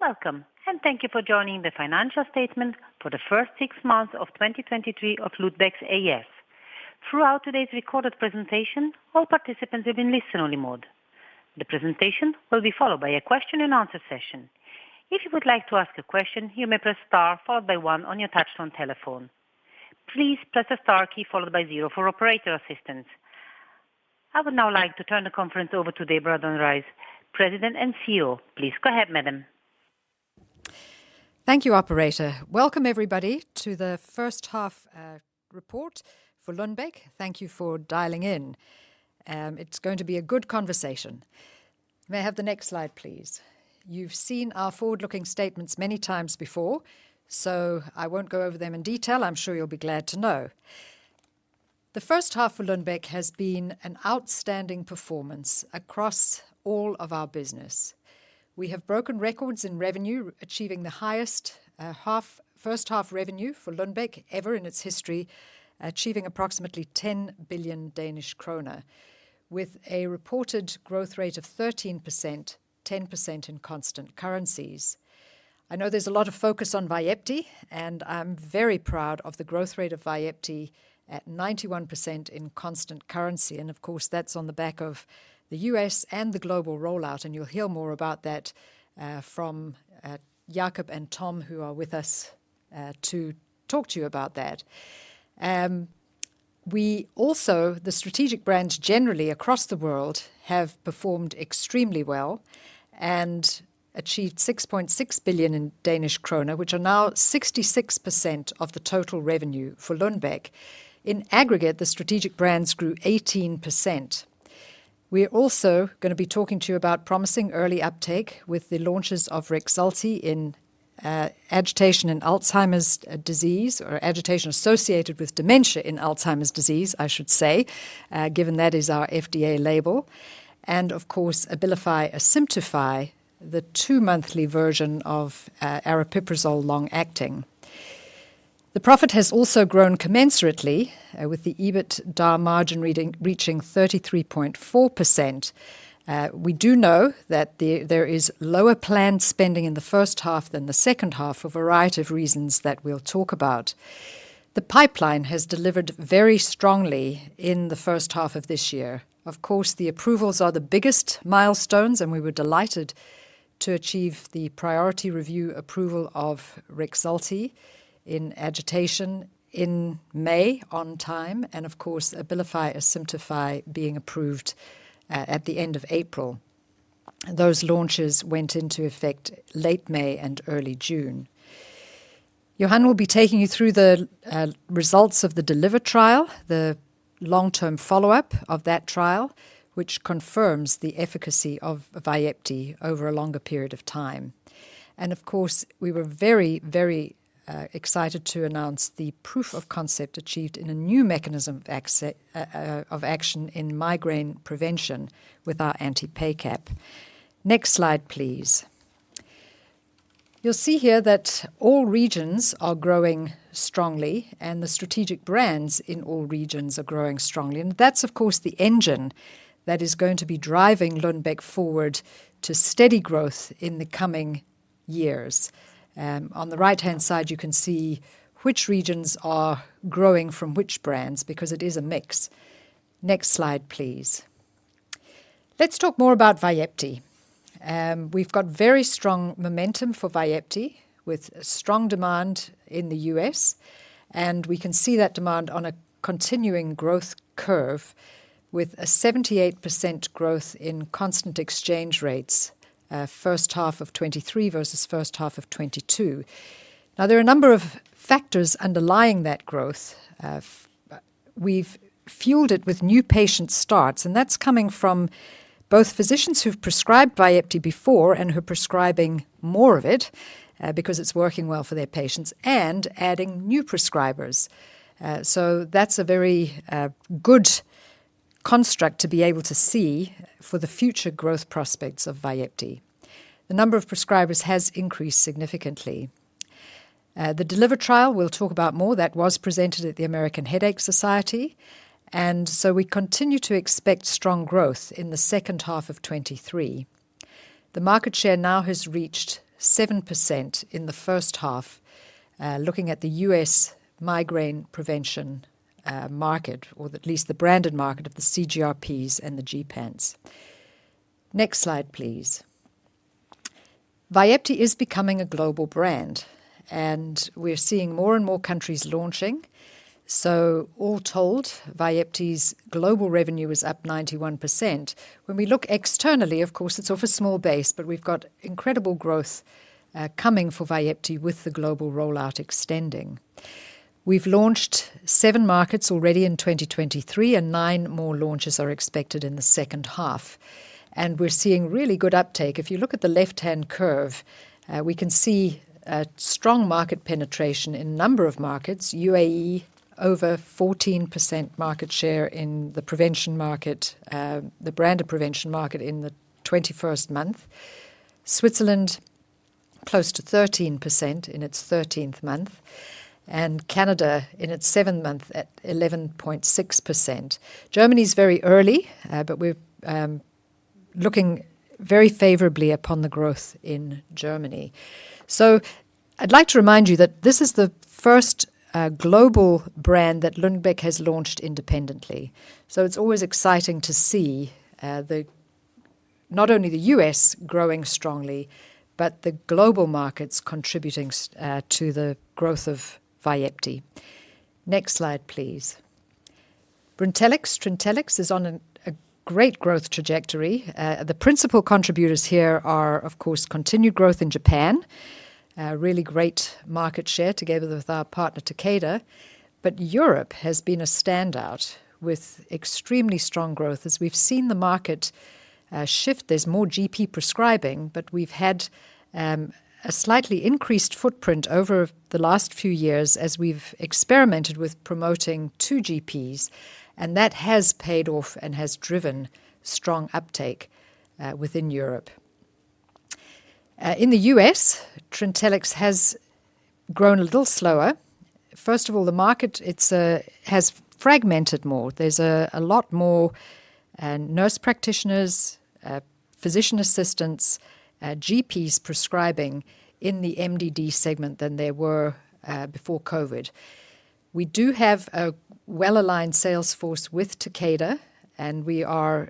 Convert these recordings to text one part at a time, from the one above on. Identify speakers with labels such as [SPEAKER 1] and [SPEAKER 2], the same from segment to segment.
[SPEAKER 1] Welcome, and thank you for joining the financial statement for the first six months of 2023 of H. Lundbeck A/S. Throughout today's recorded presentation, all participants will be in listen-only mode. The presentation will be followed by a question and answer session. If you would like to ask a question, you may press star followed by one on your touch-tone telephone. Please press the star key followed by zero for operator assistance. I would now like to turn the conference over to Deborah Dunsire, President and CEO. Please go ahead, madam.
[SPEAKER 2] Thank you, operator. Welcome, everybody, to the first half, report for Lundbeck. Thank you for dialing in. It's going to be a good conversation. May I have the next slide, please? You've seen our forward-looking statements many times before, so I won't go over them in detail. I'm sure you'll be glad to know. The first half for Lundbeck has been an outstanding performance across all of our business. We have broken records in revenue, achieving the highest first half revenue for Lundbeck ever in its history, achieving approximately 10 billion Danish kroner, with a reported growth rate of 13%, 10% in constant currencies. I know there's a lot of focus on Vyepti, and I'm very proud of the growth rate of Vyepti at 91% in constant currency. Of course, that's on the back of the US and the global rollout, and you'll hear more about that from Jacob and Tom, who are with us to talk to you about that. The strategic brands generally across the world have performed extremely well and achieved 6.6 billion, which are now 66% of the total revenue for Lundbeck. In aggregate, the strategic brands grew 18%. We are also going to be talking to you about promising early uptake with the launches of Rexulti in agitation in Alzheimer's disease or agitation associated with dementia in Alzheimer's disease, I should say, given that is our FDA label, and of course, Abilify Asimtufii, the 2-monthly version of aripiprazole long-acting. The profit has also grown commensurately with the EBITDA margin reading, reaching 33.4%. We do know that there is lower planned spending in the first half than the second half for a variety of reasons that we'll talk about. The pipeline has delivered very strongly in the first half of this year. Of course, the approvals are the biggest milestones. We were delighted to achieve the priority review approval of Rexulti in agitation in May on time. Of course, Abilify Asimtufii being approved at the end of April. Those launches went into effect late May and early June. Johan will be taking you through the results of the DELIVER trial, the long-term follow-up of that trial, which confirms the efficacy of Vyepti over a longer period of time. Of course, we were very, very excited to announce the proof of concept achieved in a new mechanism of action in migraine prevention with our anti-PACAP. Next slide, please. You'll see here that all regions are growing strongly, and the strategic brands in all regions are growing strongly, and that's, of course, the engine that is going to be driving Lundbeck forward to steady growth in the coming years. On the right-hand side, you can see which regions are growing from which brands because it is a mix. Next slide, please. Let's talk more about VYEPTI. We've got very strong momentum for VYEPTI, with strong demand in the US, and we can see that demand on a continuing growth curve with a 78% growth in constant exchange rates, first half of 2023 versus first half of 2022. There are a number of factors underlying that growth. We've fueled it with new patient starts, and that's coming from both physicians who've prescribed VYEPTI before and who are prescribing more of it because it's working well for their patients, and adding new prescribers. So that's a very good construct to be able to see for the future growth prospects of VYEPTI. The number of prescribers has increased significantly. The DELIVER trial, we'll talk about more. That was presented at the American Headache Society, we continue to expect strong growth in the second half of 2023. The market share now has reached 7% in the first half, looking at the US migraine prevention market, or at least the branded market of the CGRPs and the Gepants. Next slide, please. VYEPTI is becoming a global brand, and we're seeing more and more countries launching. All told, VYEPTI's global revenue is up 91%. When we look externally, of course, it's off a small base, but we've got incredible growth coming for VYEPTI with the global rollout extending. We've launched seven markets already in 2023, and nine more launches are expected in the second half. We're seeing really good uptake. If you look at the left-hand curve, we can see a strong market penetration in a number of markets. UAE, over 14% market share in the prevention market, the branded prevention market in the 21st month. Switzerland close to 13% in its 13th month, and Canada in its seventh month at 11.6%. Germany's very early, but we're looking very favorably upon the growth in Germany. I'd like to remind you that this is the first global brand that Lundbeck has launched independently. It's always exciting to see the not only the US growing strongly, but the global markets contributing to the growth of Vyepti. Next slide, please. Brintellix. Trintellix is on a great growth trajectory. The principal contributors here are, of course, continued growth in Japan, a really great market share together with our partner, Takeda. Europe has been a standout with extremely strong growth. As we've seen the market shift, there's more GP prescribing, but we've had a slightly increased footprint over the last few years as we've experimented with promoting two GPs, and that has paid off and has driven strong uptake within Europe. In the US, Trintellix has grown a little slower. First of all, the market, it's has fragmented more. There's a lot more nurse practitioners, physician assistants, GPs prescribing in the MDD segment than there were before COVID. We do have a well-aligned sales force with Takeda, we are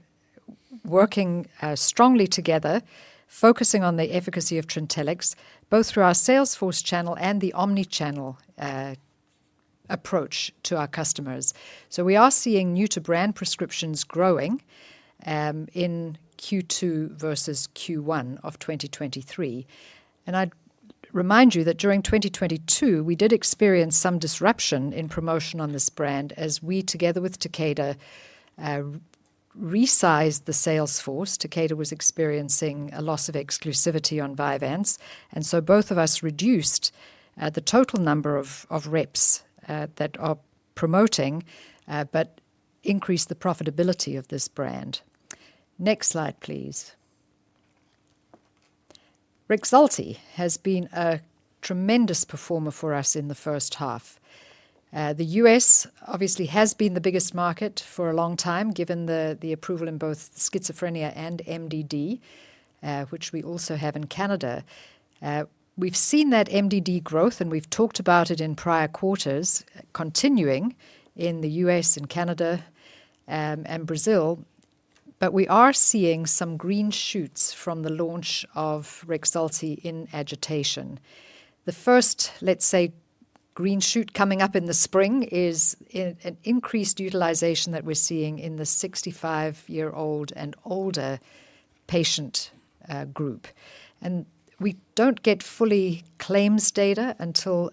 [SPEAKER 2] working strongly together, focusing on the efficacy of Trintellix, both through our sales force channel and the omnichannel approach to our customers. We are seeing new-to-brand prescriptions growing in Q2 versus Q1 of 2023. I'd remind you that during 2022, we did experience some disruption in promotion on this brand as we, together with Takeda, resized the sales force. Takeda was experiencing a loss of exclusivity on Vyvanse, both of us reduced the total number of reps that are promoting, but increased the profitability of this brand. Next slide, please. Rexulti has been a tremendous performer for us in the first half. The US obviously has been the biggest market for a long time, given the approval in both schizophrenia and MDD, which we also have in Canada. We've seen that MDD growth, and we've talked about it in prior quarters, continuing in the US and Canada, and Brazil, but we are seeing some green shoots from the launch of Rexulti in agitation. The first, let's say, green shoot coming up in the spring is an increased utilization that we're seeing in the 65-year-old and older patient group. We don't get fully claims data until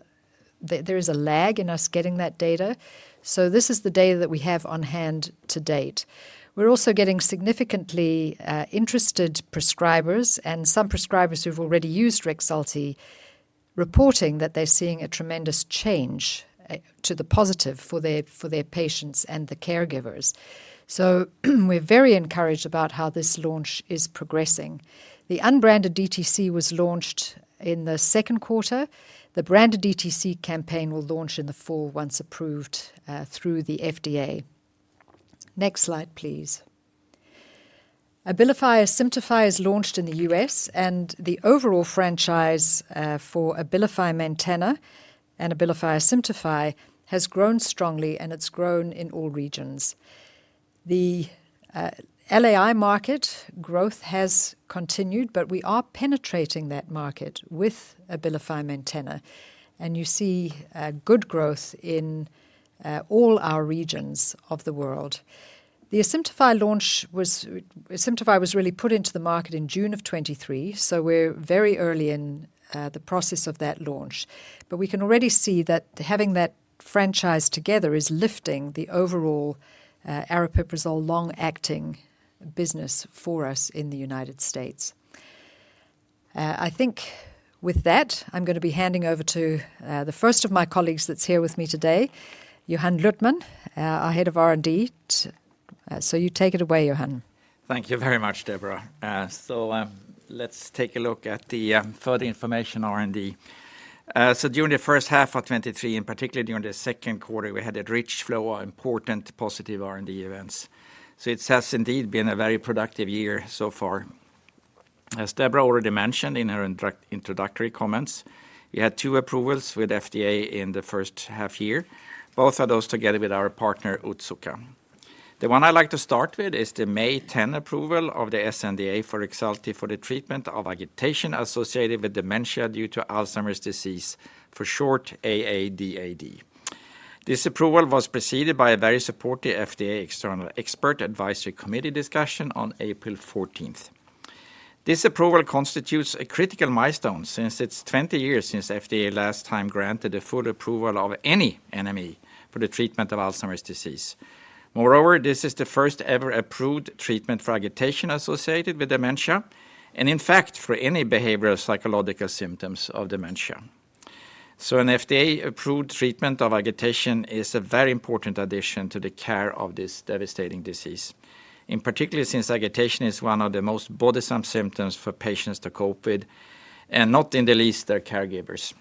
[SPEAKER 2] there is a lag in us getting that data, so this is the data that we have on hand to date. We're also getting significantly interested prescribers and some prescribers who've already used Rexulti, reporting that they're seeing a tremendous change to the positive for their, for their patients and the caregivers. We're very encouraged about how this launch is progressing. The unbranded DTC was launched in the second quarter. The branded DTC campaign will launch in the fall, once approved through the FDA. Next slide, please. Abilify Asimtufii is launched in the US, and the overall franchise for Abilify Maintena and Abilify Asimtufii has grown strongly, and it's grown in all regions. The LAI market growth has continued, but we are penetrating that market with Abilify Maintena, and you see good growth in all our regions of the world. The Asimtufii launch was... Abilify Asimtufii was really put into the market in June of 2023, we're very early in the process of that launch. We can already see that having that franchise together is lifting the overall aripiprazole long-acting business for us in the United States. I think with that, I'm going to be handing over to the first of my colleagues that's here with me today, Johan Luthman, our head of R&D. You take it away, Johan.
[SPEAKER 3] Thank you very much, Deborah. Let's take a look at the further information R&D. During the first half of 2023, and particularly during the second quarter, we had a rich flow of important positive R&D events. It has indeed been a very productive year so far. As Deborah already mentioned in her introductory comments, we had two approvals with FDA in the first half year, both of those together with our partner, Otsuka. The one I'd like to start with is the May 10 approval of the sNDA for Rexulti for the treatment of agitation associated with dementia due to Alzheimer's disease, for short, AA-DAD. This approval was preceded by a very supportive FDA external expert advisory committee discussion on April 14. This approval constitutes a critical milestone since it's 20 years since FDA last time granted a full approval of any NME for the treatment of Alzheimer's disease. Moreover, this is the first ever approved treatment for agitation associated with dementia, and in fact, for any behavioral psychological symptoms of dementia. An FDA-approved treatment of agitation is a very important addition to the care of this devastating disease. In particular, since agitation is one of the most bothersome symptoms for patients to cope with, and not in the least their caregivers.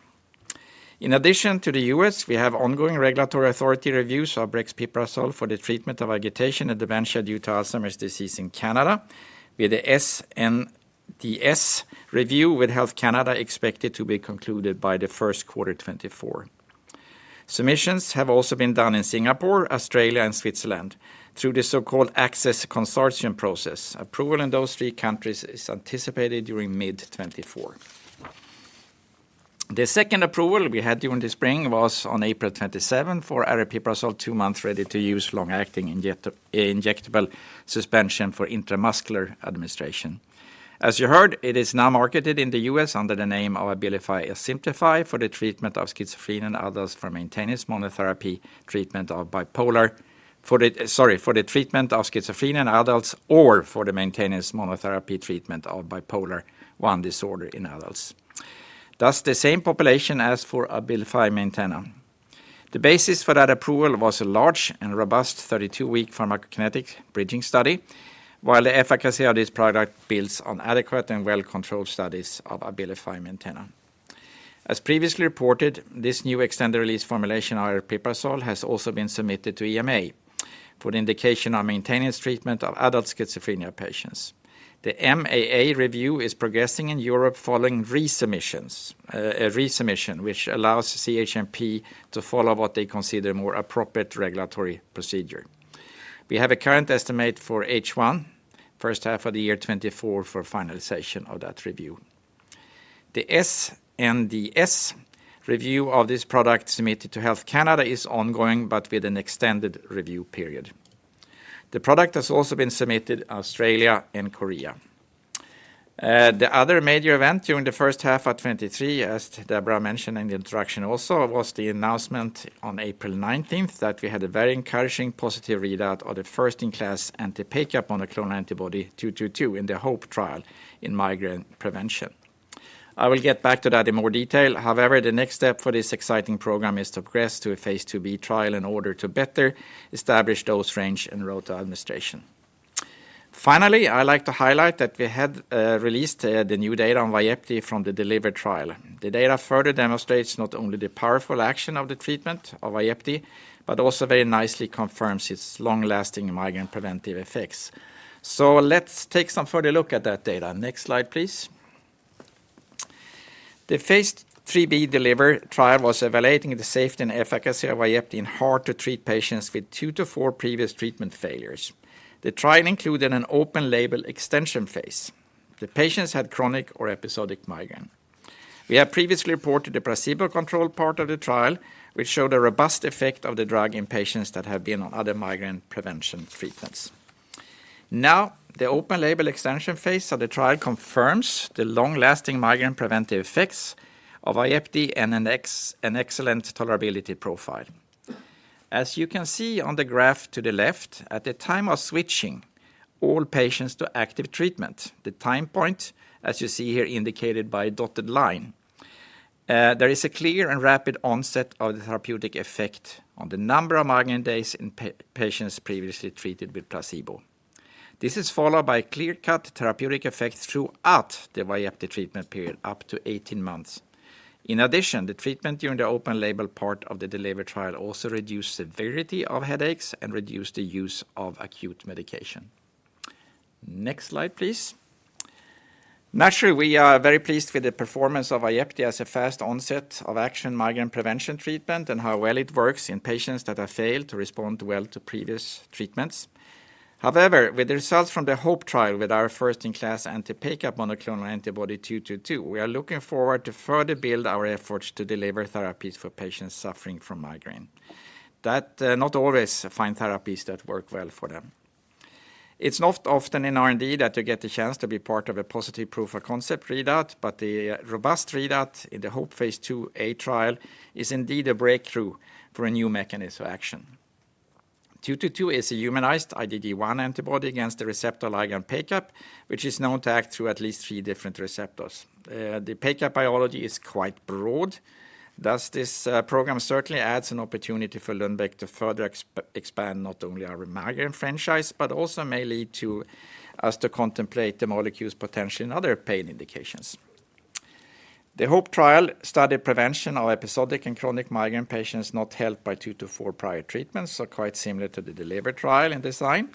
[SPEAKER 3] In addition to the US, we have ongoing regulatory authority reviews of brexpiprazole for the treatment of agitation and dementia due to Alzheimer's disease in Canada, with the SNDS review with Health Canada expected to be concluded by the first quarter 2024. Submissions have also been done in Singapore, Australia, and Switzerland through the so-called Access Consortium process. Approval in those three countries is anticipated during mid-2024. The second approval we had during the spring was on April 27 for aripiprazole 2-month ready-to-use long-acting injectable suspension for intramuscular administration. As you heard, it is now marketed in the US under the name of Abilify Asimtufii for the treatment of schizophrenia in adults or for the maintenance monotherapy treatment of bipolar I disorder in adults. Thus, the same population as for Abilify Maintena. The basis for that approval was a large and robust 32-week pharmacokinetic bridging study, while the efficacy of this product builds on adequate and well-controlled studies of Abilify Maintena. As previously reported, this new extended-release formulation of aripiprazole has also been submitted to EMA for the indication on maintenance treatment of adult schizophrenia patients. The MAA review is progressing in Europe following resubmissions, a resubmission, which allows the CHMP to follow what they consider a more appropriate regulatory procedure. We have a current estimate for H1, first half of the year 2024, for finalization of that review. The SNDS review of this product submitted to Health Canada is ongoing, but with an extended review period. The product has also been submitted to Australia and Korea. The other major event during the first half of 2023, as Deborah mentioned in the introduction also, was the announcement on April 19th that we had a very encouraging positive readout of the first-in-class anti-PACAP monoclonal antibody 222 in the HOPE trial in migraine prevention. I will get back to that in more detail. The next step for this exciting program is to progress to a phase two B trial in order to better establish dose range and route of administration. Finally, I like to highlight that we had released the new data on Vyepti from the DELIVER trial. The data further demonstrates not only the powerful action of the treatment of Vyepti, but also very nicely confirms its long-lasting migraine preventive effects. Let's take some further look at that data. Next slide, please. The phase three B DELIVER trial was evaluating the safety and efficacy of Vyepti in hard-to-treat patients with 2 to 4 previous treatment failures. The trial included an open-label extension phase. The patients had chronic or episodic migraine. We have previously reported the placebo-controlled part of the trial, which showed a robust effect of the drug in patients that have been on other migraine prevention treatments. The open-label extension phase of the trial confirms the long-lasting migraine preventive effects of Vyepti and an excellent tolerability profile. As you can see on the graph to the left, at the time of switching all patients to active treatment, the time point, as you see here, indicated by a dotted line, there is a clear and rapid onset of the therapeutic effect on the number of migraine days in patients previously treated with placebo. This is followed by clear-cut therapeutic effects throughout the Vyepti treatment period, up to 18 months. In addition, the treatment during the open-label part of the DELIVER trial also reduced severity of headaches and reduced the use of acute medication. Next slide, please. Naturally, we are very pleased with the performance of Vyepti as a fast onset of action migraine prevention treatment and how well it works in patients that have failed to respond well to previous treatments. However, with the results from the HOPE trial with our first-in-class anti-PACAP monoclonal antibody 222, we are looking forward to further build our efforts to deliver therapies for patients suffering from migraine, that not always find therapies that work well for them. It's not often in R&D that you get the chance to be part of a positive proof of concept readout, but the robust readout in the HOPE phase 2A trial is indeed a breakthrough for a new mechanism of action. 222 is a humanized IgG1 antibody against the receptor ligand PACAP, which is known to act through at least 3 different receptors. The PACAP biology is quite broad. This program certainly adds an opportunity for Lundbeck to further expand not only our migraine franchise, but also may lead to us to contemplate the molecule's potential in other pain indications. The HOPE trial studied prevention of episodic and chronic migraine patients not helped by 2 to 4 prior treatments, quite similar to the DELIVER trial in design.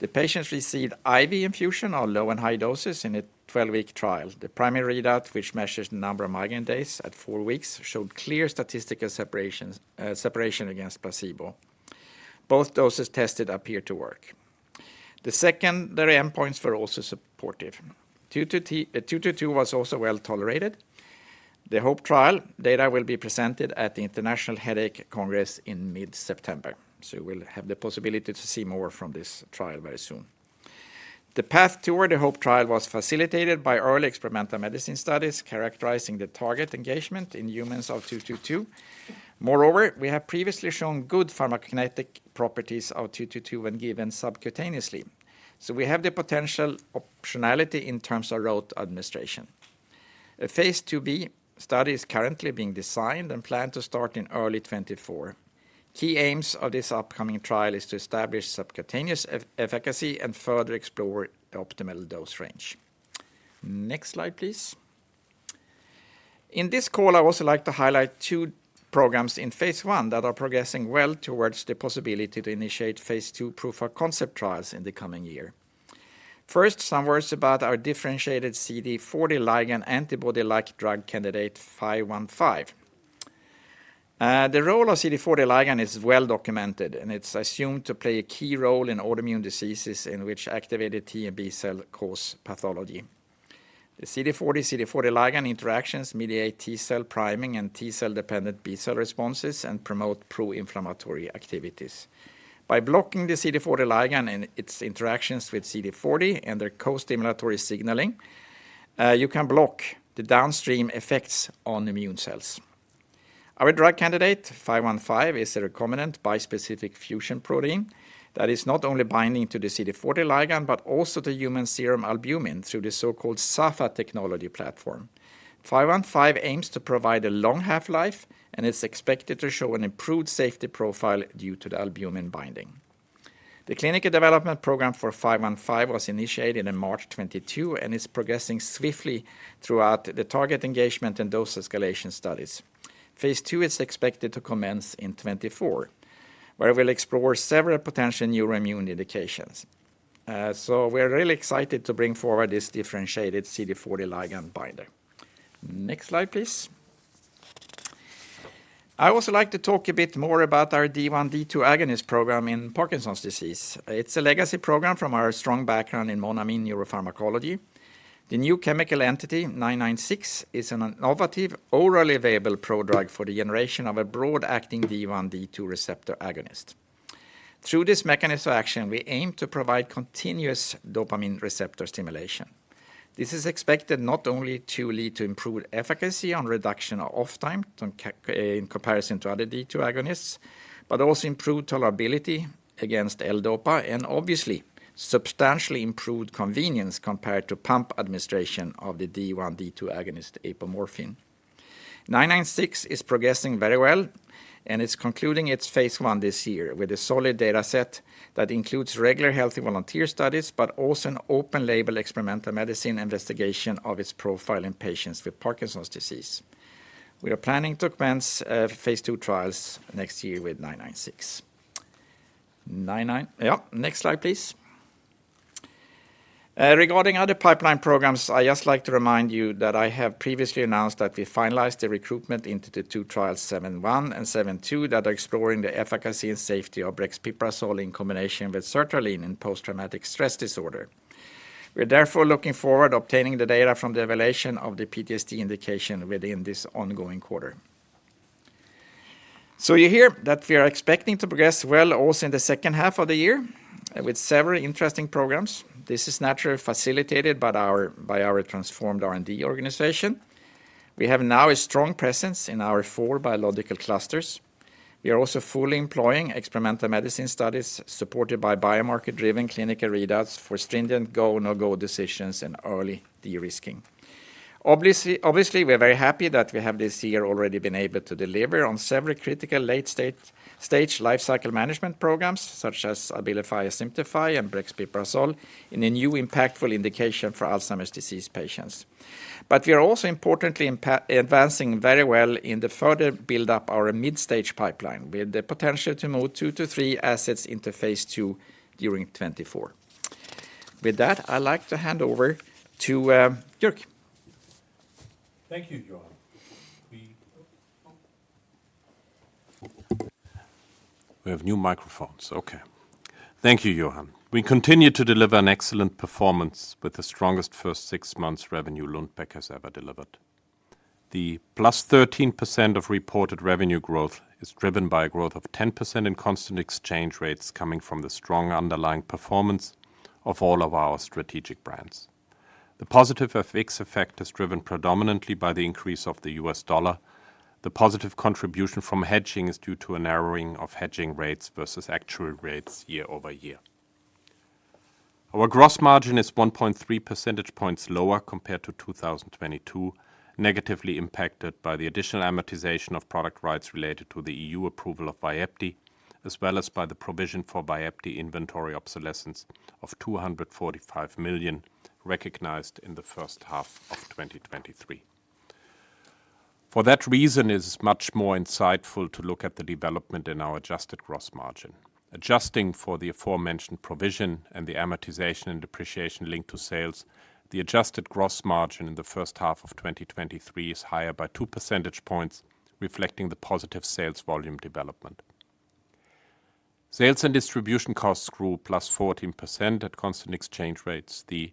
[SPEAKER 3] The patients received IV infusion of low and high doses in a 12-week trial. The primary readout, which measures the number of migraine days at 4 weeks, showed clear statistical separations, separation against placebo. Both doses tested appear to work. The secondary endpoints were also supportive. 222 was also well tolerated. The HOPE trial data will be presented at the International Headache Congress in mid-September, so we'll have the possibility to see more from this trial very soon. The path toward the HOPE trial was facilitated by early experimental medicine studies characterizing the target engagement in humans of 222. Moreover, we have previously shown good pharmacokinetic properties of 222 when given subcutaneously. We have the potential optionality in terms of route administration. A phase 2B study is currently being designed and planned to start in early 2024. Key aims of this upcoming trial is to establish subcutaneous efficacy and further explore the optimal dose range. Next slide, please. In this call, I also like to highlight 2 programs in phase 1 that are progressing well towards the possibility to initiate phase 2 proof of concept trials in the coming year. First, some words about our differentiated CD40 ligand antibody-like drug candidate, 515. The role of CD40 ligand is well documented. It's assumed to play a key role in autoimmune diseases in which activated T and B cell cause pathology. The CD40, CD40 ligand interactions mediate T cell priming and T cell-dependent B cell responses and promote pro-inflammatory activities. By blocking the CD40 ligand and its interactions with CD40 and their co-stimulatory signaling, you can block the downstream effects on immune cells. Our drug candidate, 515, is a recombinant bispecific fusion protein that is not only binding to the CD40 ligand, but also the human serum albumin through the so-called SAFA technology platform. 515 aims to provide a long half-life. It's expected to show an improved safety profile due to the albumin binding. The clinical development program for 515 was initiated in March 2022 and is progressing swiftly throughout the target engagement and dose escalation studies. phase 2 is expected to commence in 2024, where we'll explore several potential neuroimmune indications. We're really excited to bring forward this differentiated CD40 ligand binder. Next slide, please. I also like to talk a bit more about our D1/D2 agonist program in Parkinson's disease. It's a legacy program from our strong background in monoamine neuropharmacology. The new chemical entity, 996, is an innovative, orally available prodrug for the generation of a broad-acting D1/D2 receptor agonist. Through this mechanism of action, we aim to provide continuous dopamine receptor stimulation. This is expected not only to lead to improved efficacy on reduction of off-time in comparison to other D2 agonists, but also improved tolerability against L-DOPA and obviously, substantially improved convenience compared to pump administration of the D1/D2 agonist apomorphine. 996 is progressing very well, and it's concluding its phase 1 this year with a solid data set that includes regular healthy volunteer studies, but also an open label experimental medicine investigation of its profile in patients with Parkinson's disease. We are planning to commence phase 2 trials next year with 996. Yeah, next slide, please. Regarding other pipeline programs, I just like to remind you that I have previously announced that we finalized the recruitment into the two trials, Trial 071 and Trial 072, that are exploring the efficacy and safety of brexpiprazole in combination with sertraline in post-traumatic stress disorder. We are therefore looking forward to obtaining the data from the evaluation of the PTSD indication within this ongoing quarter. You hear that we are expecting to progress well also in the second half of the year with several interesting programs. This is naturally facilitated by our transformed R&D organization. We have now a strong presence in our four biological clusters. We are also fully employing experimental medicine studies supported by biomarker-driven clinical readouts for stringent go, no-go decisions and early de-risking. Obviously, obviously, we are very happy that we have this year already been able to deliver on several critical late stage lifecycle management programs, such as Abilify Asimtufii and Brexpiprazole, in a new impactful indication for Alzheimer's disease patients. We are also importantly advancing very well in the further build up our mid-stage pipeline, with the potential to move 2 to 3 assets into phase 2 during 2024. With that, I'd like to hand over to Jörg.
[SPEAKER 4] Thank you, Johan. We have new microphones. Okay. Thank you, Johan. We continue to deliver an excellent performance with the strongest first six months revenue H. Lundbeck A/S has ever delivered. The +13% of reported revenue growth is driven by a growth of 10% in constant exchange rates coming from the strong underlying performance of all of our strategic brands. The positive FX effect is driven predominantly by the increase of the US dollar. The positive contribution from hedging is due to a narrowing of hedging rates versus actual rates year-over-year. Our gross margin is 1.3 percentage points lower compared to 2022, negatively impacted by the additional amortization of product rights related to the EU approval of Vyepti, as well as by the provision for Vyepti inventory obsolescence of 245 million, recognized in the first half of 2023. For that reason, it's much more insightful to look at the development in our adjusted gross margin. Adjusting for the aforementioned provision and the amortization and depreciation linked to sales, the adjusted gross margin in the first half of 2023 is higher by 2 percentage points, reflecting the positive sales volume development. Sales and distribution costs grew +14% at constant exchange rates. The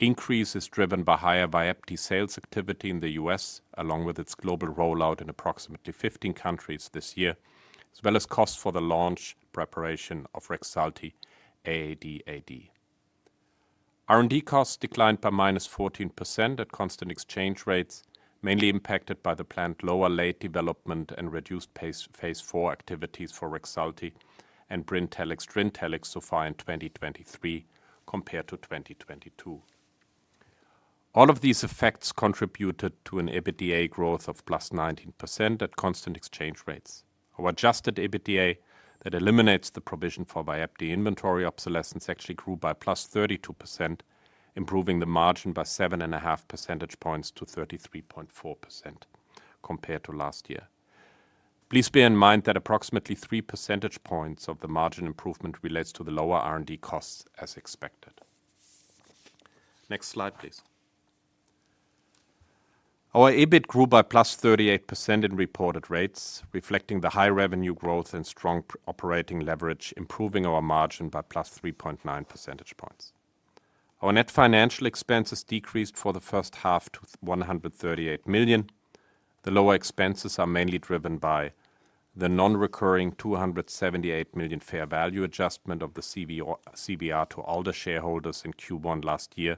[SPEAKER 4] increase is driven by higher Vyepti sales activity in the US, along with its global rollout in approximately 15 countries this year, as well as costs for the launch preparation of Rexulti, AAD. R&D costs declined by -14% at constant exchange rates, mainly impacted by the planned lower late development and reduced pace phase 4 activities for Rexulti and Brintellix, Trintellix so far in 2023 compared to 2022. All of these effects contributed to an EBITDA growth of +19% at constant exchange rates. Our adjusted EBITDA that eliminates the provision for Vyepti inventory obsolescence actually grew by +32%, improving the margin by 7.5 percentage points to 33.4% compared to last year. Please bear in mind that approximately 3 percentage points of the margin improvement relates to the lower R&D costs as expected. Next slide, please. Our EBIT grew by +38% in reported rates, reflecting the high revenue growth and strong operating leverage, improving our margin by +3.9 percentage points. Our net financial expenses decreased for the first half to 138 million. The lower expenses are mainly driven by the non-recurring 278 million fair value adjustment of the CVR to all the shareholders in Q1 last year,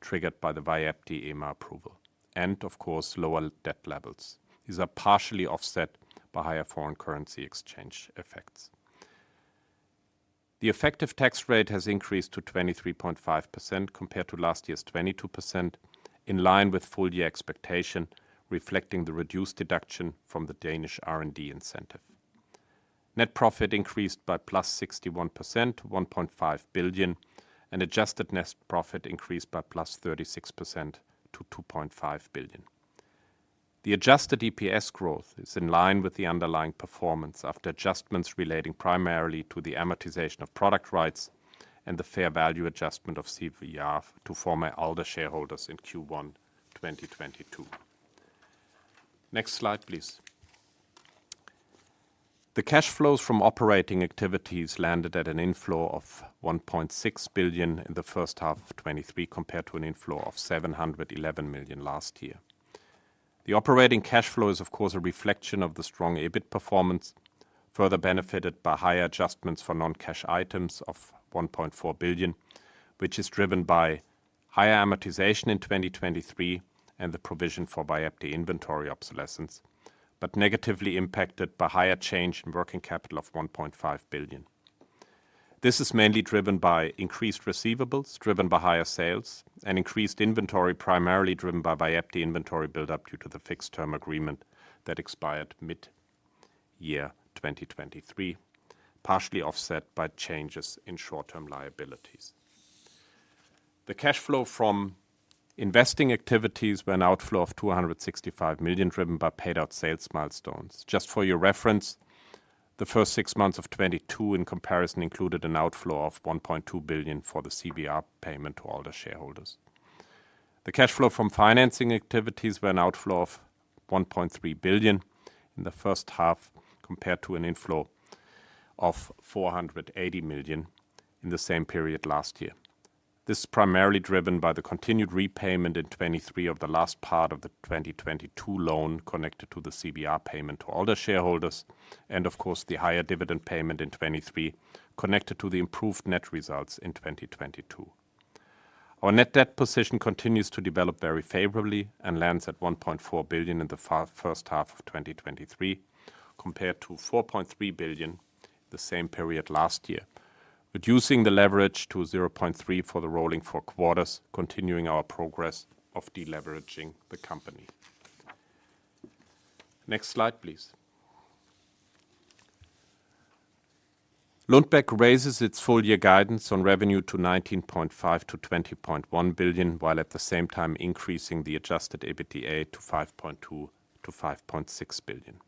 [SPEAKER 4] triggered by the Vyepti EMA approval and of course, lower debt levels. These are partially offset by higher foreign currency exchange effects. The effective tax rate has increased to 23.5% compared to last year's 22%, in line with full year expectation, reflecting the reduced deduction from the Danish R&D incentive. Net profit increased by +61% to 1.5 billion. Adjusted net profit increased by +36% to 2.5 billion. The adjusted EPS growth is in line with the underlying performance after adjustments relating primarily to the amortization of product rights and the fair value adjustment of CVR to former Alder shareholders in Q1 2022. Next slide, please. The cash flows from operating activities landed at an inflow of 1.6 billion in the first half of 2023, compared to an inflow of 711 million last year. The operating cash flow is, of course, a reflection of the strong EBIT performance, further benefited by higher adjustments for non-cash items of 1.4 billion, which is driven by higher amortization in 2023 and the provision for Vyepti inventory obsolescence, negatively impacted by higher change in working capital of 1.5 billion. This is mainly driven by increased receivables, driven by higher sales and increased inventory, primarily driven by Vyepti inventory buildup due to the fixed term agreement that expired mid-year 2023, partially offset by changes in short-term liabilities. The cash flow from investing activities were an outflow of 265 million, driven by paid out sales milestones. Just for your reference, the first 6 months of 2022 in comparison, included an outflow of 1.2 billion for the CVR payment to all the shareholders. The cash flow from financing activities were an outflow of 1.3 billion in the first half, compared to an inflow of 480 million in the same period last year. This is primarily driven by the continued repayment in 2023 of the last part of the 2022 loan connected to the CVR payment to all the shareholders, and of course, the higher dividend payment in 2023 connected to the improved net results in 2022. Our net debt position continues to develop very favorably lands at 1.4 billion in the first half of 2023, compared to 4.3 billion the same period last year, reducing the leverage to 0.3 for the rolling four quarters, continuing our progress of deleveraging the company. Next slide, please. Lundbeck raises its full year guidance on revenue to 19.5 billion-20.1 billion, while at the same time increasing the adjusted EBITDA to 5.2 billion-5.6 billion.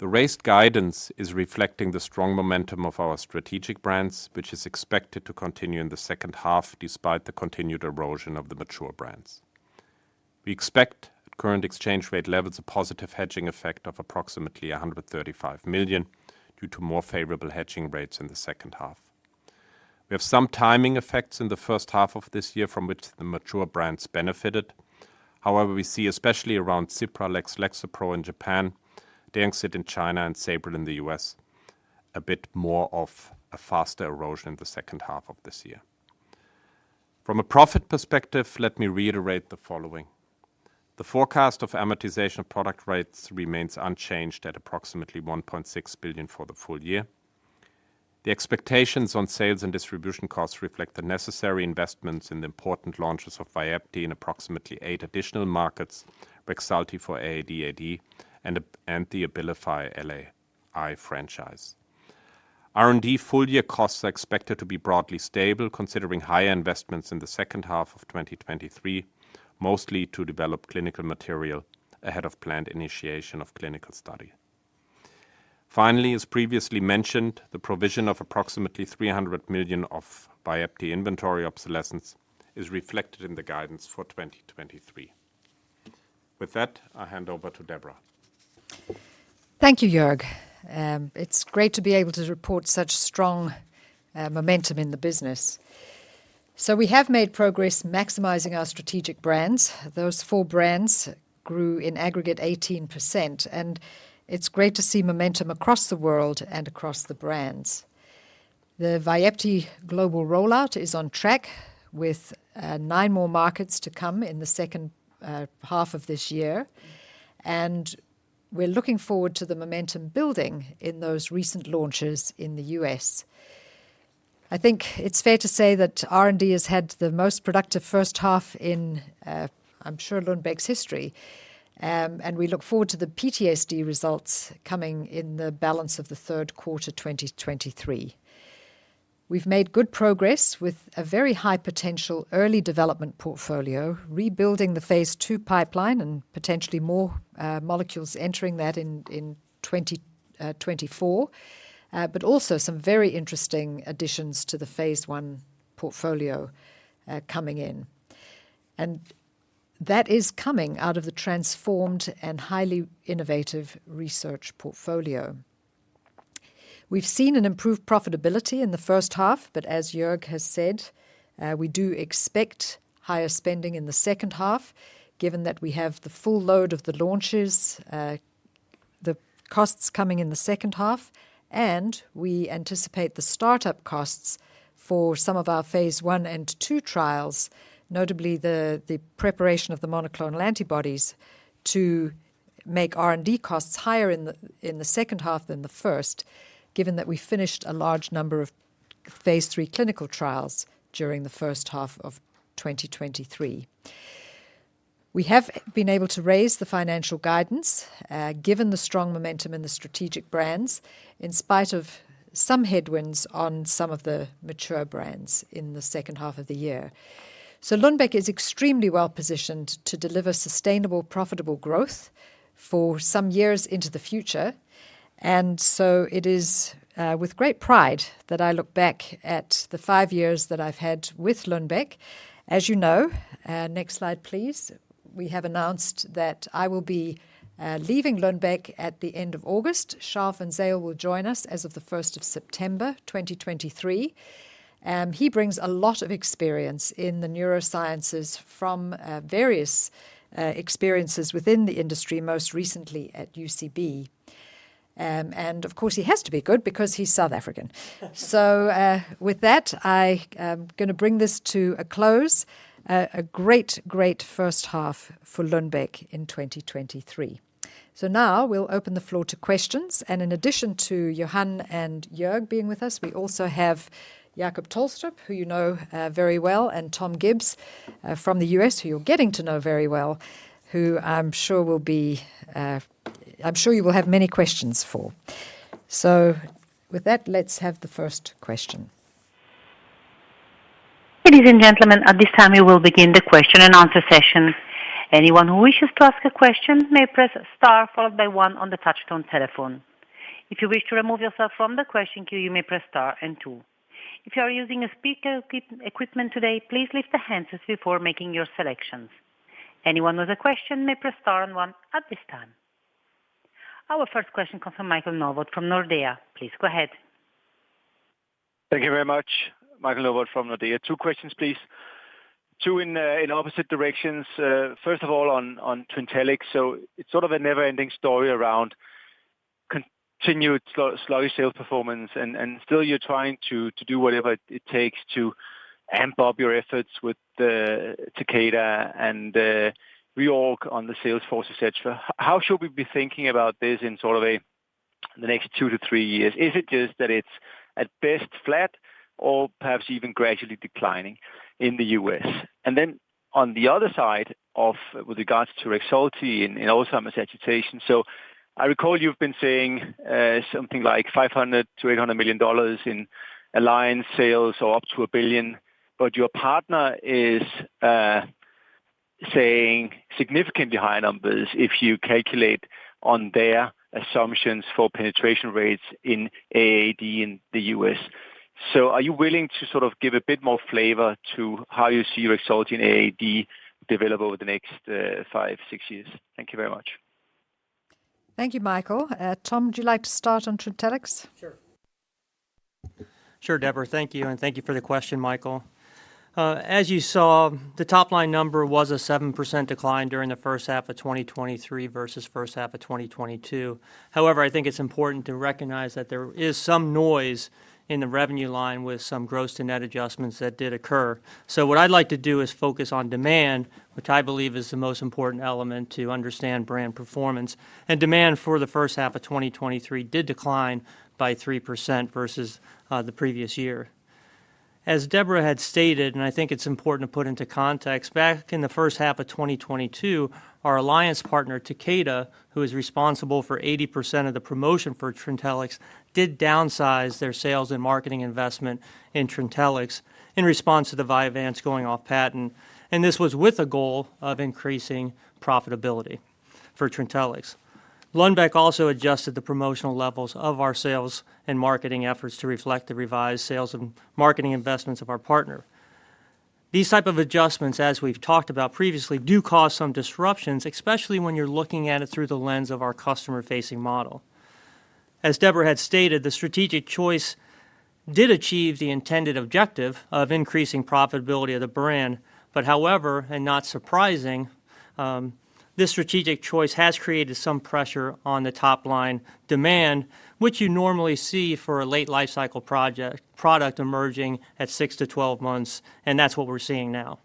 [SPEAKER 4] The raised guidance is reflecting the strong momentum of our strategic brands, which is expected to continue in the second half, despite the continued erosion of the mature brands. We expect at current exchange rate levels, a positive hedging effect of approximately 135 million due to more favorable hedging rates in the second half. We have some timing effects in the first half of this year from which the mature brands benefited. However, we see, especially around Cipralex, Lexapro in Japan, Deanxit in China, and Sabril in the US, a bit more of a faster erosion in the second half of this year. From a profit perspective, let me reiterate the following: The forecast of amortization of product rates remains unchanged at approximately 1.6 billion for the full year. The expectations on sales and distribution costs reflect the necessary investments in the important launches of Vyepti in approximately eight additional markets, Rexulti for ADHD, and the Abilify LAI franchise. R&D full year costs are expected to be broadly stable, considering higher investments in the second half of 2023, mostly to develop clinical material ahead of planned initiation of clinical study. Finally, as previously mentioned, the provision of approximately 300 million of Vyepti inventory obsolescence is reflected in the guidance for 2023. With that, I hand over to Deborah.
[SPEAKER 2] Thank you, Jörg. It's great to be able to report such strong momentum in the business. We have made progress in maximizing our strategic brands. Those four brands... grew in aggregate 18%, and it's great to see momentum across the world and across the brands. The Vyepti global rollout is on track with 9 more markets to come in the second half of this year, and we're looking forward to the momentum building in those recent launches in the US I think it's fair to say that R&D has had the most productive first half in, I'm sure Lundbeck's history. We look forward to the PTSD results coming in the balance of the third quarter, 2023. We've made good progress with a very high potential early development portfolio, rebuilding the phase 2 pipeline and potentially more molecules entering that in, in 2024. Also some very interesting additions to the phase 1 portfolio coming in. That is coming out of the transformed and highly innovative research portfolio. We've seen an improved profitability in the first half, but as Jörg has said, we do expect higher spending in the second half, given that we have the full load of the launches, the costs coming in the second half, and we anticipate the startup costs for some of our phase 1 and 2 trials, notably the, the preparation of the monoclonal antibodies, to make R&D costs higher in the, in the second half than the first, given that we finished a large number of phase 3 clinical trials during the first half of 2023. We have been able to raise the financial guidance, given the strong momentum in the strategic brands, in spite of some headwinds on some of the mature brands in the second half of the year. Lundbeck is extremely well positioned to deliver sustainable, profitable growth for some years into the future. It is with great pride that I look back at the five years that I've had with Lundbeck. As you know, next slide, please. We have announced that I will be leaving Lundbeck at the end of August. Charl van Zyl will join us as of the 1st of September 2023. He brings a lot of experience in the neurosciences from various experiences within the industry, most recently at UCB. Of course, he has to be good because he's South African. With that, I, gonna bring this to a close. A great, great first half for Lundbeck in 2023. Now we'll open the floor to questions, and in addition to Johan and Jörg being with us, we also have Jacob Tolstrup, who you know, very well, and Thomas Gibbs from the US, who you're getting to know very well, who I'm sure you will have many questions for. With that, let's have the first question.
[SPEAKER 1] Ladies and gentlemen, at this time, we will begin the question and answer session. Anyone who wishes to ask a question may press Star followed by 1 on the touchtone telephone. If you wish to remove yourself from the question queue, you may press Star and 2. If you are using a speaker equipment today, please lift the hand before making your selections. Anyone with a question may press Star and 1 at this time. Our first question comes from Michael Novod from Nordea. Please go ahead.
[SPEAKER 5] Thank you very much, Michael Novod from Nordea. 2 questions, please. 2 in opposite directions. First of all, on Trintellix. It's sort of a never-ending story around continued slow sales performance, and still you're trying to do whatever it takes to amp up your efforts with the Takeda and reorg on the sales force, et cetera. How should we be thinking about this in sort of the next 2 to 3 years? Is it just that it's at best flat or perhaps even gradually declining in the US? On the other side of with regards to Rexulti in Alzheimer's agitation. I recall you've been saying, something like $500 million-$800 million in alliance sales or up to $1 billion, but your partner is saying significantly higher numbers if you calculate on their assumptions for penetration rates in AD in the US. Are you willing to sort of give a bit more flavor to how you see Rexulti in AD develop over the next five, six years? Thank you very much.
[SPEAKER 2] Thank you, Michael. Tom, would you like to start on Trintellix?
[SPEAKER 6] Sure. Sure, Deborah. Thank you, and thank you for the question, Michael. As you saw, the top-line number was a 7% decline during the first half of 2023 versus first half of 2022. However, I think it's important to recognize that there is some noise in the revenue line with some gross-to-net adjustments that did occur. What I'd like to do is focus on demand, which I believe is the most important element to understand brand performance. Demand for the first half of 2023 did decline by 3% versus the previous year. As Deborah had stated, and I think it's important to put into context, back in the first half of 2022, our alliance partner, Takeda, who is responsible for 80% of the promotion for Trintellix, did downsize their sales and marketing investment in Trintellix in response to the Vyvanse going off patent, and this was with a goal of increasing profitability for Trintellix. Lundbeck also adjusted the promotional levels of our sales and marketing efforts to reflect the revised sales and marketing investments of our partner. These type of adjustments, as we've talked about previously, do cause some disruptions, especially when you're looking at it through the lens of our customer-facing model. As Deborah had stated, the strategic choice did achieve the intended objective of increasing profitability of the brand. However, not surprising, this strategic choice has created some pressure on the top-line demand, which you normally see for a late lifecycle product emerging at 6 to 12 months, and that's what we're seeing now.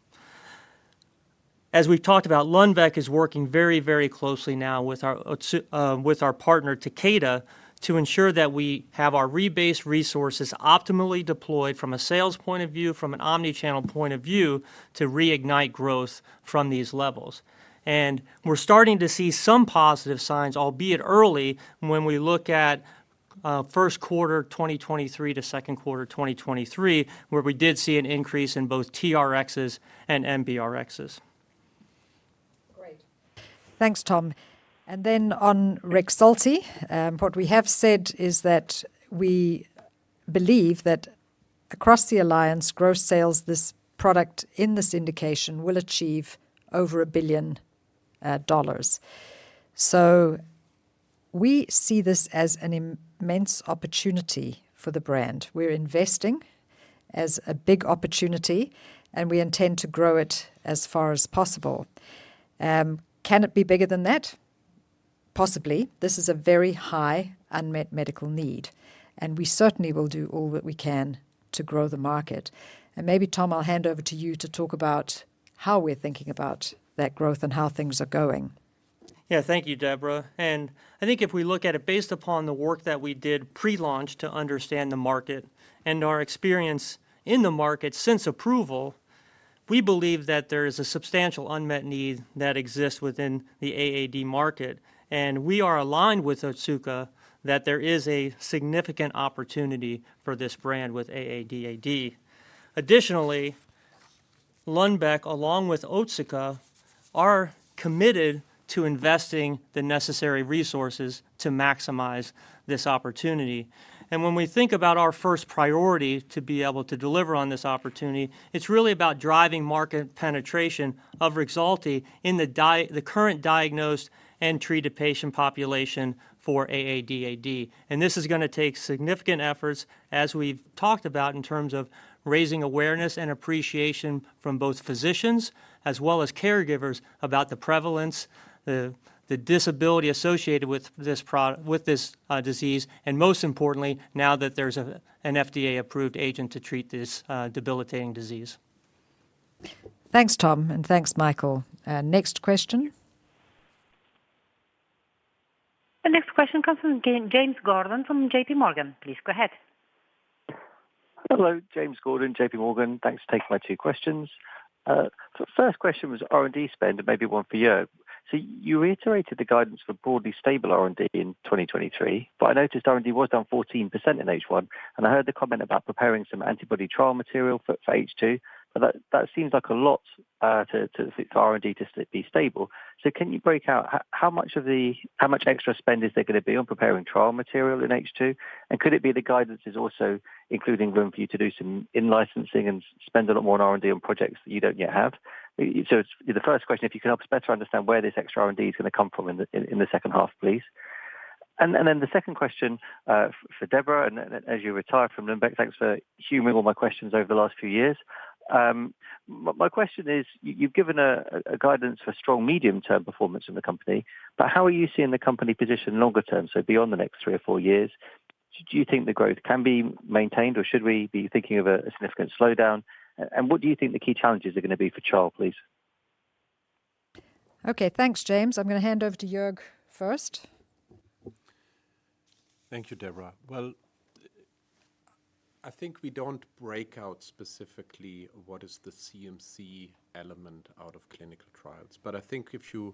[SPEAKER 6] As we've talked about, Lundbeck is working very, very closely now with our partner, Takeda, to ensure that we have our rebased resources optimally deployed from a sales point of view, from an omnichannel point of view, to reignite growth from these levels. We're starting to see some positive signs, albeit early, when we look at first quarter 2023 to second quarter 2023, where we did see an increase in both TRx and NBRx.
[SPEAKER 2] Great. Thanks, Tom. On Rexulti, what we have said is that we believe that across the alliance, gross sales, this product in this indication will achieve over $1 billion. We see this as an immense opportunity for the brand. We're investing as a big opportunity, and we intend to grow it as far as possible. Can it be bigger than that? Possibly. This is a very high unmet medical need, and we certainly will do all that we can to grow the market. Maybe, Tom, I'll hand over to you to talk about how we're thinking about that growth and how things are going.
[SPEAKER 6] Yeah. Thank you, Deborah. I think if we look at it based upon the work that we did pre-launch to understand the market and our experience in the market since approval, we believe that there is a substantial unmet need that exists within the AAD market, and we are aligned with Otsuka that there is a significant opportunity for this brand with AAD/AD. Lundbeck, along with Otsuka, are committed to investing the necessary resources to maximize this opportunity. When we think about our first priority to be able to deliver on this opportunity, it's really about driving market penetration of Rexulti in the current diagnosed and treated patient population for AAD/AD. This is gonna take significant efforts, as we've talked about, in terms of raising awareness and appreciation from both physicians as well as caregivers about the prevalence, the disability associated with this disease, and most importantly, now that there's an FDA-approved agent to treat this debilitating disease.
[SPEAKER 2] Thanks, Tom, and thanks, Michael. Next question?
[SPEAKER 1] The next question comes from James Gordon from JP Morgan. Please go ahead.
[SPEAKER 7] Hello, James Gordon, JP Morgan. Thanks for taking my two questions. First question was R&D spend, and maybe one for Jörg. You reiterated the guidance for broadly stable R&D in 2023, but I noticed R&D was down 14% in H1, and I heard the comment about preparing some antibody trial material for H2, but that, that seems like a lot for R&D to be stable. Can you break out how much extra spend is there gonna be on preparing trial material in H2? Could it be the guidance is also including room for you to do some in-licensing and spend a lot more on R&D on projects that you don't yet have? It's the first question, if you can help us better understand where this extra R&D is gonna come from in the second half, please. Then the second question for Deborah, as you retire from Lundbeck, thanks for humoring all my questions over the last few years. My question is, you've given a guidance for strong medium-term performance in the company, how are you seeing the company position longer term, so beyond the next 3 or 4 years? Do you think the growth can be maintained, or should we be thinking of a significant slowdown? What do you think the key challenges are gonna be for trial, please?
[SPEAKER 2] Okay, thanks, James. I'm gonna hand over to Jörg first.
[SPEAKER 4] Thank you, Deborah. Well, I think we don't break out specifically what is the CMC element out of clinical trials. I think if you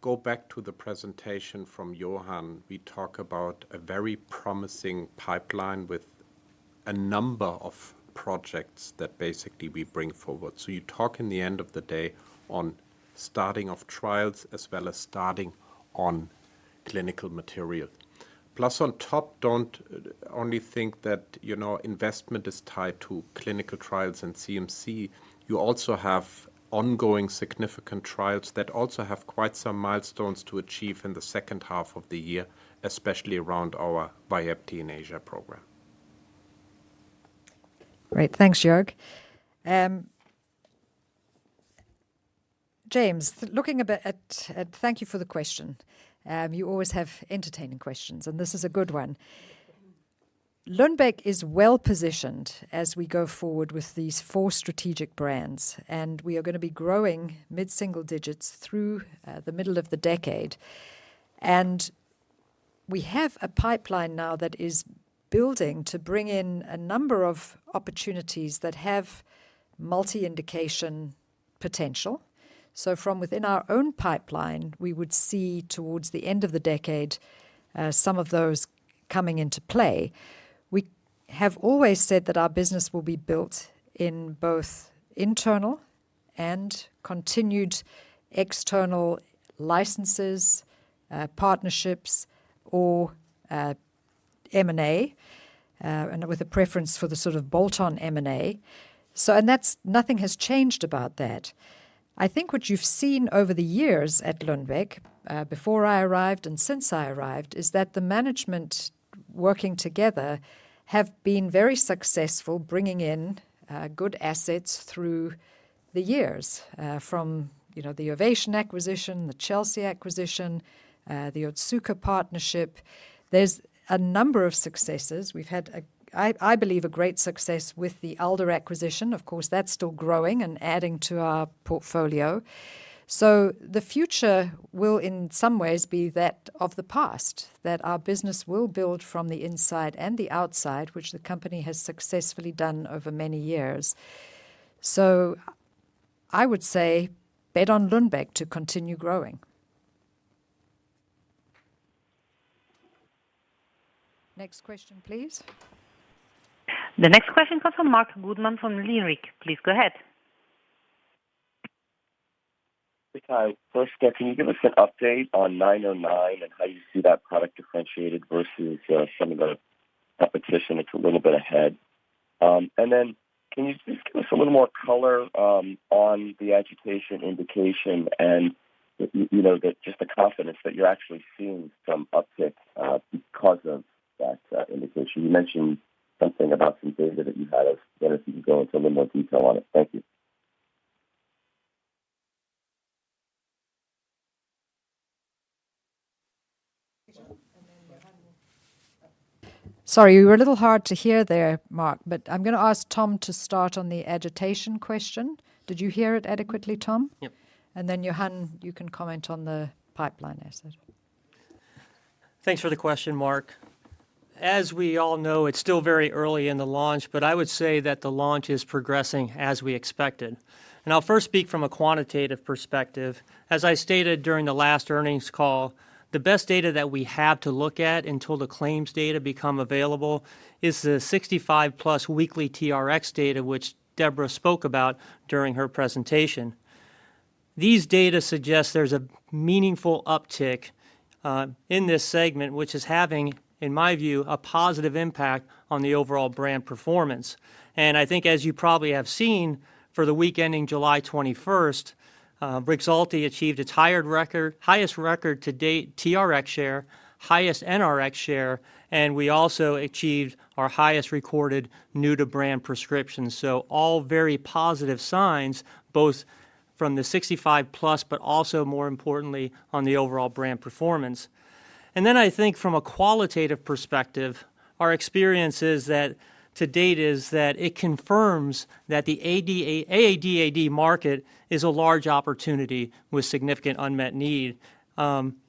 [SPEAKER 4] go back to the presentation from Johan, we talk about a very promising pipeline with a number of projects that basically we bring forward. You talk in the end of the day on starting of trials as well as starting on clinical material. Plus, on top, don't only think that, you know, investment is tied to clinical trials and CMC. You also have ongoing significant trials that also have quite some milestones to achieve in the second half of the year, especially around our Vyepti in Asia program.
[SPEAKER 2] Great. Thanks, Jörg. James, looking a bit. Thank you for the question. You always have entertaining questions, and this is a good one. Lundbeck is well-positioned as we go forward with these four strategic brands, and we are gonna be growing mid-single digits through the middle of the decade. We have a pipeline now that is building to bring in a number of opportunities that have multi-indication potential. From within our own pipeline, we would see towards the end of the decade, some of those coming into play. We have always said that our business will be built in both internal and continued external licenses, partnerships or M&A. With a preference for the sort of bolt-on M&A. That's, nothing has changed about that. I think what you've seen over the years at Lundbeck, before I arrived and since I arrived, is that the management working together have been very successful bringing in good assets through the years. From, you know, the Ovation acquisition, the Chelsea acquisition, the Otsuka partnership. There's a number of successes. We've had I, I believe, a great success with the Alder acquisition. Of course, that's still growing and adding to our portfolio. The future will, in some ways, be that of the past, that our business will build from the inside and the outside, which the company has successfully done over many years. I would say, bet on Lundbeck to continue growing. Next question, please.
[SPEAKER 1] The next question comes from Marc Goodman from Leerink Partners. Please go ahead.
[SPEAKER 8] Hey, guys, First, can you give us an update on 909 and how you see that product differentiated versus some of the competition that's a little bit ahead? Then can you just give us a little more color on the agitation indication and you know, just the confidence that you're actually seeing some uptick because of that indication. You mentioned something about some data that you had. I was wonder if you can go into a little more detail on it. Thank you.
[SPEAKER 2] Sorry, you were a little hard to hear there, Marc, but I'm going to ask Tom to start on the agitation question. Did you hear it adequately, Tom?
[SPEAKER 6] Yep.
[SPEAKER 2] Then, Johan, you can comment on the pipeline asset.
[SPEAKER 6] Thanks for the question, Marc. As we all know, it's still very early in the launch, I would say that the launch is progressing as we expected. I'll first speak from a quantitative perspective. As I stated during the last earnings call, the best data that we have to look at until the claims data become available is the 65 plus weekly TRX data, which Deborah spoke about during her presentation. These data suggest there's a meaningful uptick in this segment, which is having, in my view, a positive impact on the overall brand performance. I think as you probably have seen, for the week ending July 21st, Rexulti achieved its highest record to date, TRX share, highest NRX share, and we also achieved our highest recorded new-to-brand prescriptions. All very positive signs, both from the 65+, but also, more importantly, on the overall brand performance. I think from a qualitative perspective, our experience is that to date, is that it confirms that the AAD, AAD market is a large opportunity with significant unmet need.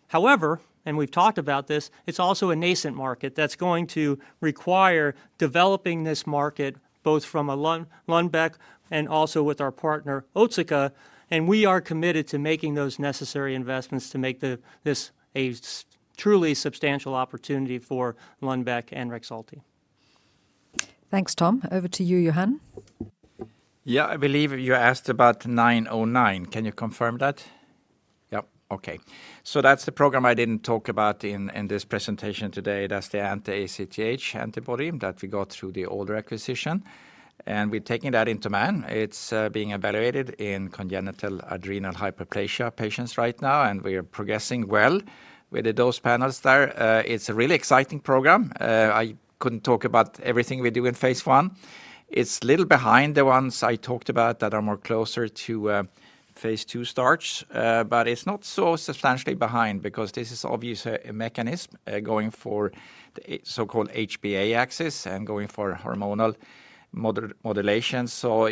[SPEAKER 6] However, and we've talked about this, it's also a nascent market that's going to require developing this market both from a Lundbeck and also with our partner, Otsuka, and we are committed to making those necessary investments to make the... this a truly substantial opportunity for Lundbeck and Rexulti.
[SPEAKER 2] Thanks, Tom. Over to you, Johan.
[SPEAKER 3] Yeah, I believe you asked about 909. Can you confirm that? Yep. Okay. That's the program I didn't talk about in, in this presentation today. That's the anti-ACTH antibody that we got through the Alder acquisition, and we're taking that into man. It's being evaluated in congenital adrenal hyperplasia patients right now, and we are progressing well with the dose panels there. It's a really exciting program. I couldn't talk about everything we do in phase I. It's little behind the ones I talked about that are more closer to phase II starts. It's not so substantially behind because this is obviously a mechanism going for the so-called HPA axis and going for hormonal modulation.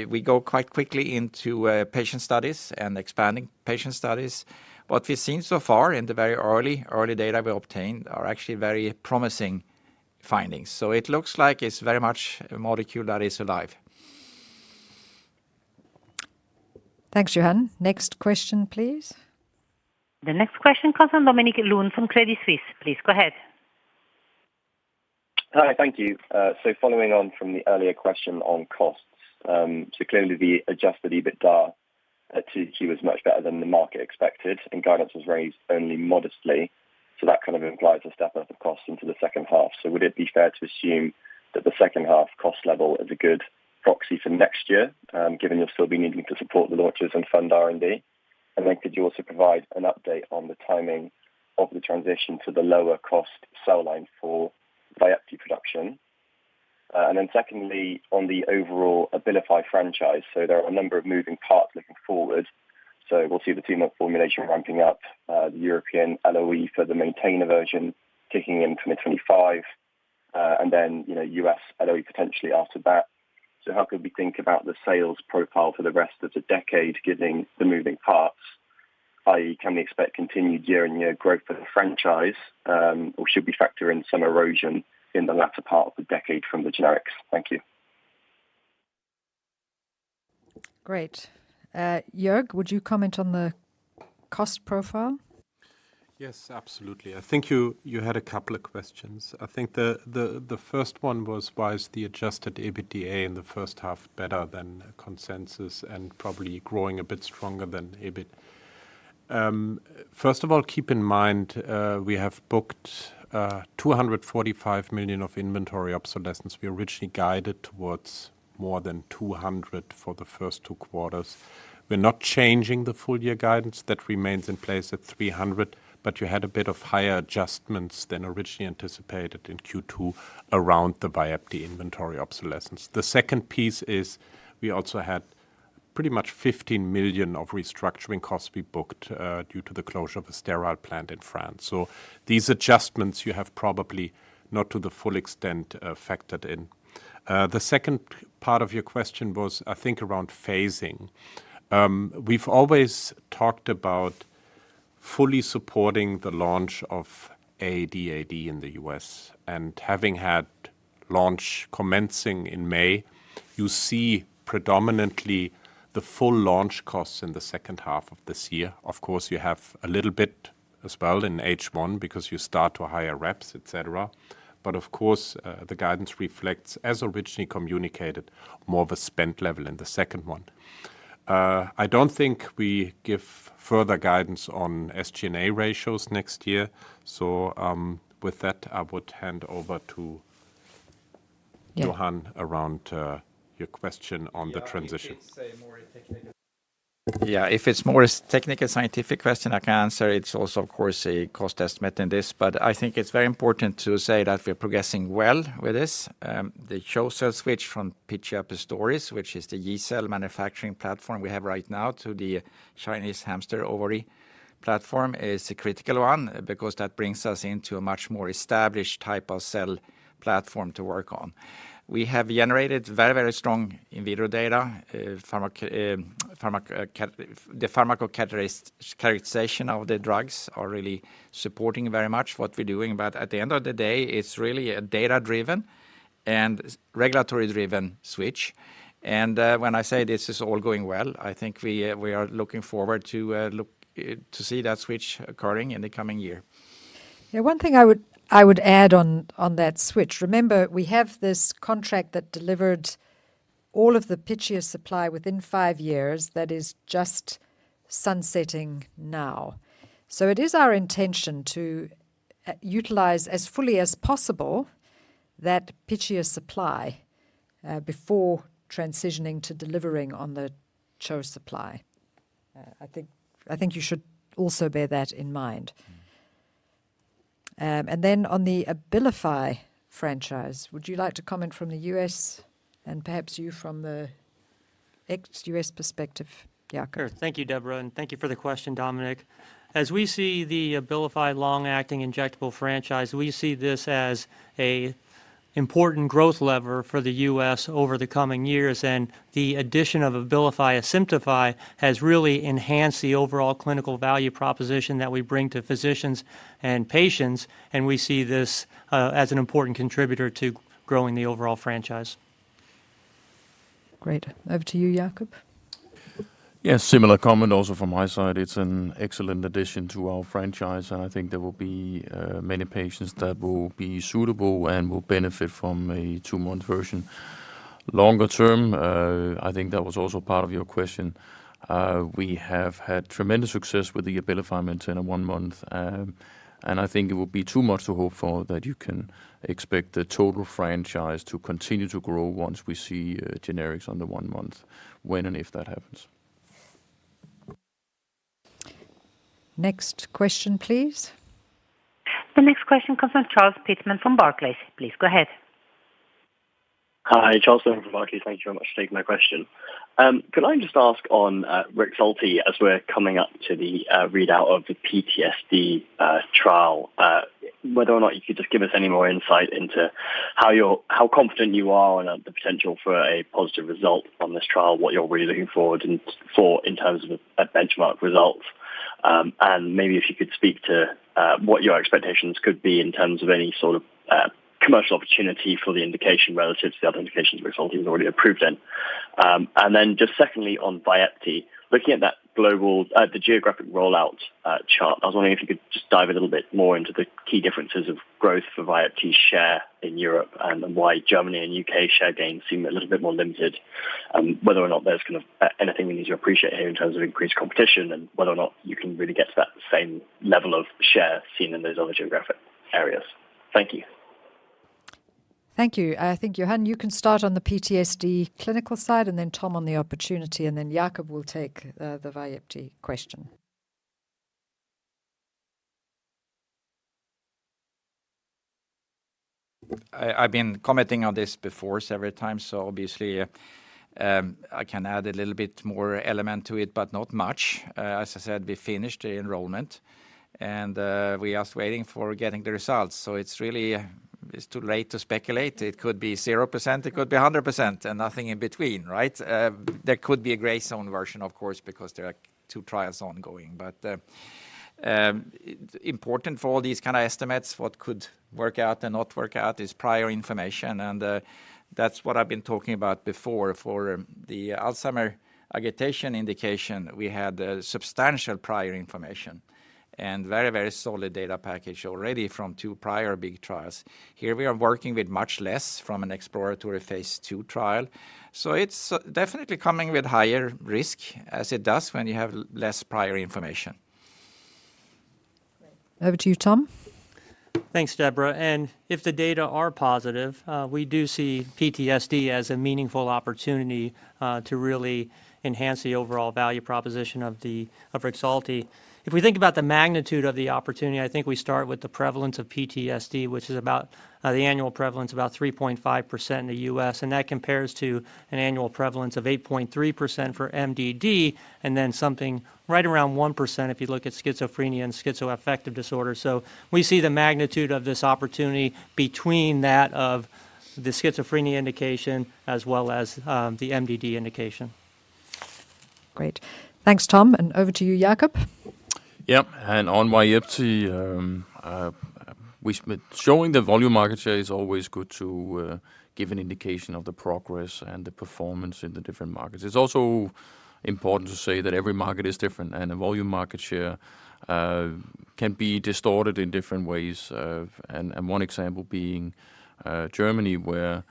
[SPEAKER 3] We go quite quickly into patient studies and expanding patient studies. What we've seen so far in the very early, early data we obtained are actually very promising findings. It looks like it's very much a molecule that is alive.
[SPEAKER 2] Thanks, Johan. Next question, please.
[SPEAKER 1] The next question comes from Dominic Lunn from Credit Suisse. Please, go ahead.
[SPEAKER 9] Hi, thank you. Following on from the earlier question on costs, clearly the adjusted EBITDA Q2 was much better than the market expected, and guidance was raised only modestly. That kind of implies a step up of cost into the second half. Would it be fair to assume that the second half cost level is a good proxy for next year, given you'll still be needing to support the launches and fund R&D? Could you also provide an update on the timing of the transition to the lower cost cell line for Vyepti production? Secondly, on the overall Abilify franchise, there are a number of moving parts looking forward. We'll see the team of formulation ramping up, the European LOE for the Maintena version, kicking in from 2025, and then, you know, US LOE potentially after that. How could we think about the sales profile for the rest of the decade, given the moving parts, i.e., can we expect continued year-on-year growth for the franchise? Or should we factor in some erosion in the latter part of the decade from the generics? Thank you.
[SPEAKER 2] Great. Jörg, would you comment on the cost profile?
[SPEAKER 4] Yes, absolutely. I think you, you had a couple of questions. I think the, the, the first one was, why is the adjusted EBITDA in the first half better than consensus and probably growing a bit stronger than EBIT. First of all, keep in mind, we have booked 245 million of inventory obsolescence. We originally guided towards more than 200 million for the first two quarters. We're not changing the full year guidance that remains in place at 300 million, but you had a bit of higher adjustments than originally anticipated in Q2 around the Vyepti inventory obsolescence. The second piece is we also had pretty much 15 million of restructuring costs we booked, due to the closure of a sterile plant in France. These adjustments you have probably not to the full extent, factored in. The second part of your question was, I think, around phasing. We've always talked about fully supporting the launch of ADAD in the US, and having had launch commencing in May, you see predominantly the full launch costs in the second half of this year. Of course, you have a little bit as well in H1 because you start to hire reps, et cetera. Of course, the guidance reflects, as originally communicated, more of a spent level in the second one. I don't think we give further guidance on SG&A ratios next year. With that, I would hand over to Johan around your question on the transition.
[SPEAKER 3] Yeah, if it's a more technical- Yeah, if it's more a technical scientific question, I can answer. It's also of course, a cost estimate in this, but I think it's very important to say that we're progressing well with this. The CHO cell switch from Pichia pastoris, which is the yeast cell manufacturing platform we have right now, to the Chinese hamster ovary platform, is a critical one because that brings us into a much more established type of cell platform to work on. We have generated very, very strong in vitro data, The pharmacocataract characterization of the drugs are really supporting very much what we're doing, but at the end of the day, it's really a data-driven and regulatory-driven switch. When I say this is all going well, I think we are looking forward to see that switch occurring in the coming year.
[SPEAKER 2] Yeah, one thing I would, I would add on, on that switch. Remember, we have this contract that delivered all of the Pichia supply within 5 years, that is just sunsetting now. It is our intention to utilize as fully as possible, that Pichia supply before transitioning to delivering on the CHO supply. I think, I think you should also bear that in mind. And then on the Abilify franchise, would you like to comment from the US and perhaps you from the ex-US perspective, Jakob?
[SPEAKER 6] Sure. Thank you, Deborah, and thank you for the question, Dominic. As we see the Abilify long-acting injectable franchise, we see this as a important growth lever for the US over the coming years. The addition of Abilify Asimtufii has really enhanced the overall clinical value proposition that we bring to physicians and patients. We see this as an important contributor to growing the overall franchise.
[SPEAKER 2] Great. Over to you, Jakob.
[SPEAKER 4] Yes, similar comment also from my side. It's an excellent addition to our franchise, and I think there will be many patients that will be suitable and will benefit from a 2-month version. Longer term, I think that was also part of your question. We have had tremendous success with the Abilify Maintena 1-month, and I think it would be too much to hope for that you can expect the total franchise to continue to grow once we see generics on the 1-month, when and if that happens.
[SPEAKER 2] Next question, please.
[SPEAKER 1] The next question comes from Charles Pitman from Barclays. Please go ahead.
[SPEAKER 10] Hi, Charles Pitman from Barclays. Thank you very much for taking my question. Could I just ask on Rexulti, as we're coming up to the readout of the PTSD trial, whether or not you could just give us any more insight into how confident you are on the potential for a positive result from this trial, what you're really looking forward and for in terms of a benchmark result? And maybe if you could speak to what your expectations could be in terms of any sort of commercial opportunity for the indication relative to the other indications Rexulti was already approved in. And then just secondly, on Vyepti, looking at that global... The geographic rollout chart, I was wondering if you could just dive a little bit more into the key differences of growth for Vyepti share in Europe and why Germany and UK share gains seem a little bit more limited, whether or not there's kind of anything we need to appreciate here in terms of increased competition and whether or not you can really get to that same level of share seen in those other geographic areas. Thank you.
[SPEAKER 2] Thank you. I think, Johan, you can start on the PTSD clinical side, and then Tom on the opportunity, and then Jakob will take, the Vyepti question.
[SPEAKER 3] I've been commenting on this before several times, obviously, I can add a little bit more element to it, but not much. As I said, we finished the enrollment, and we are just waiting for getting the results. It's really, it's too late to speculate. It could be 0%, it could be 100%, and nothing in between, right? There could be a gray zone version, of course, because there are two trials ongoing. Important for all these kind of estimates, what could work out and not work out is prior information, and that's what I've been talking about before. For the Alzheimer's agitation indication, we had a substantial prior information and very, very solid data package already from two prior big trials. Here we are working with much less from an exploratory phase two trial, so it's definitely coming with higher risk as it does when you have less prior information.
[SPEAKER 2] Over to you, Tom.
[SPEAKER 6] Thanks, Deborah. If the data are positive, we do see PTSD as a meaningful opportunity to really enhance the overall value proposition of Rexulti. If we think about the magnitude of the opportunity, I think we start with the prevalence of PTSD, which is about the annual prevalence, about 3.5% in the US, and that compares to an annual prevalence of 8.3% for MDD, and then something right around 1% if you look at schizophrenia and schizoaffective disorder. We see the magnitude of this opportunity between that of the schizophrenia indication as well as the MDD indication.
[SPEAKER 2] Great. Thanks, Tom, and over to you, Jakob.
[SPEAKER 11] Yep, on Vyepti, we've been showing the volume market share is always good to give an indication of the progress and the performance in the different markets. It's also important to say that every market is different, and a volume market share can be distorted in different ways. One example being Germany, where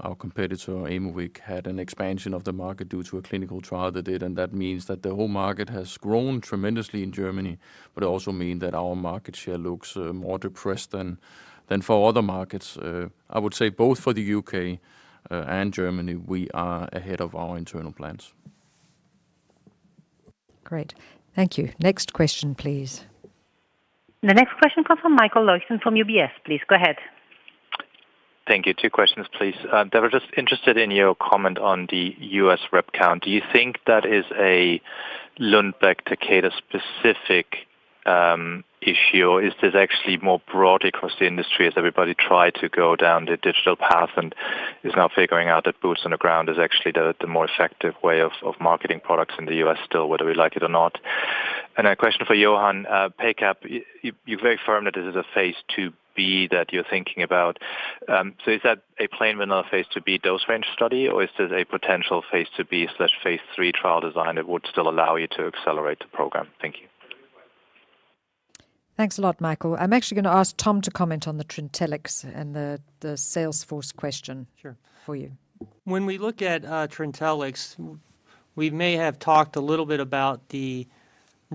[SPEAKER 11] our competitor, Aimovig, had an expansion of the market due to a clinical trial they did, and that means that the whole market has grown tremendously in Germany, but it also mean that our market share looks more depressed than, than for other markets. I would say both for the UK, and Germany, we are ahead of our internal plans.
[SPEAKER 2] Great. Thank you. Next question, please.
[SPEAKER 1] The next question comes from Michael Leuchten from UBS. Please, go ahead.
[SPEAKER 12] Thank you. 2 questions, please. Deborah, just interested in your comment on the US rep count. Do you think that is a Lundbeck Takeda specific issue, or is this actually more broad across the industry as everybody try to go down the digital path and is now figuring out that boots on the ground is actually the, the more effective way of, of marketing products in the US still, whether we like it or not? A question for Johan, PACAP, you're very firm that this is a phase 2B that you're thinking about. So is that a plain vanilla phase 2B dose range study, or is this a potential phase 2B/phase 3 trial design that would still allow you to accelerate the program? Thank you.
[SPEAKER 2] Thanks a lot, Michael. I'm actually going to ask Tom to comment on the Trintellix and the sales force question.
[SPEAKER 6] Sure.
[SPEAKER 2] for you.
[SPEAKER 6] When we look at Trintellix, we may have talked a little bit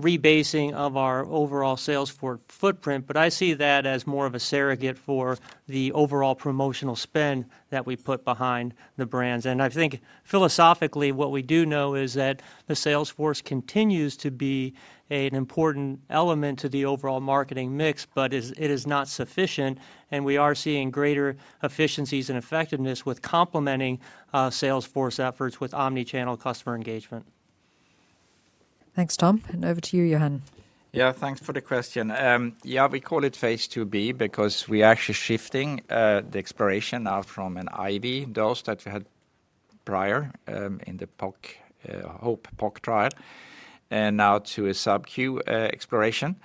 [SPEAKER 6] about the rebasing of our overall sales force footprint, I see that as more of a surrogate for the overall promotional spend that we put behind the brands. I think philosophically, what we do know is that the sales force continues to be an important element to the overall marketing mix, but it is, it is not sufficient, and we are seeing greater efficiencies and effectiveness with complementing sales force efforts with omnichannel customer engagement.
[SPEAKER 2] Thanks, Tom, over to you, Johan.
[SPEAKER 3] Yeah, thanks for the question. Yeah, we call it phase 2B because we're actually shifting the exploration now from an IV dose that we had prior in the POC, HOPE POC trial, and now to a sub-Q exploration.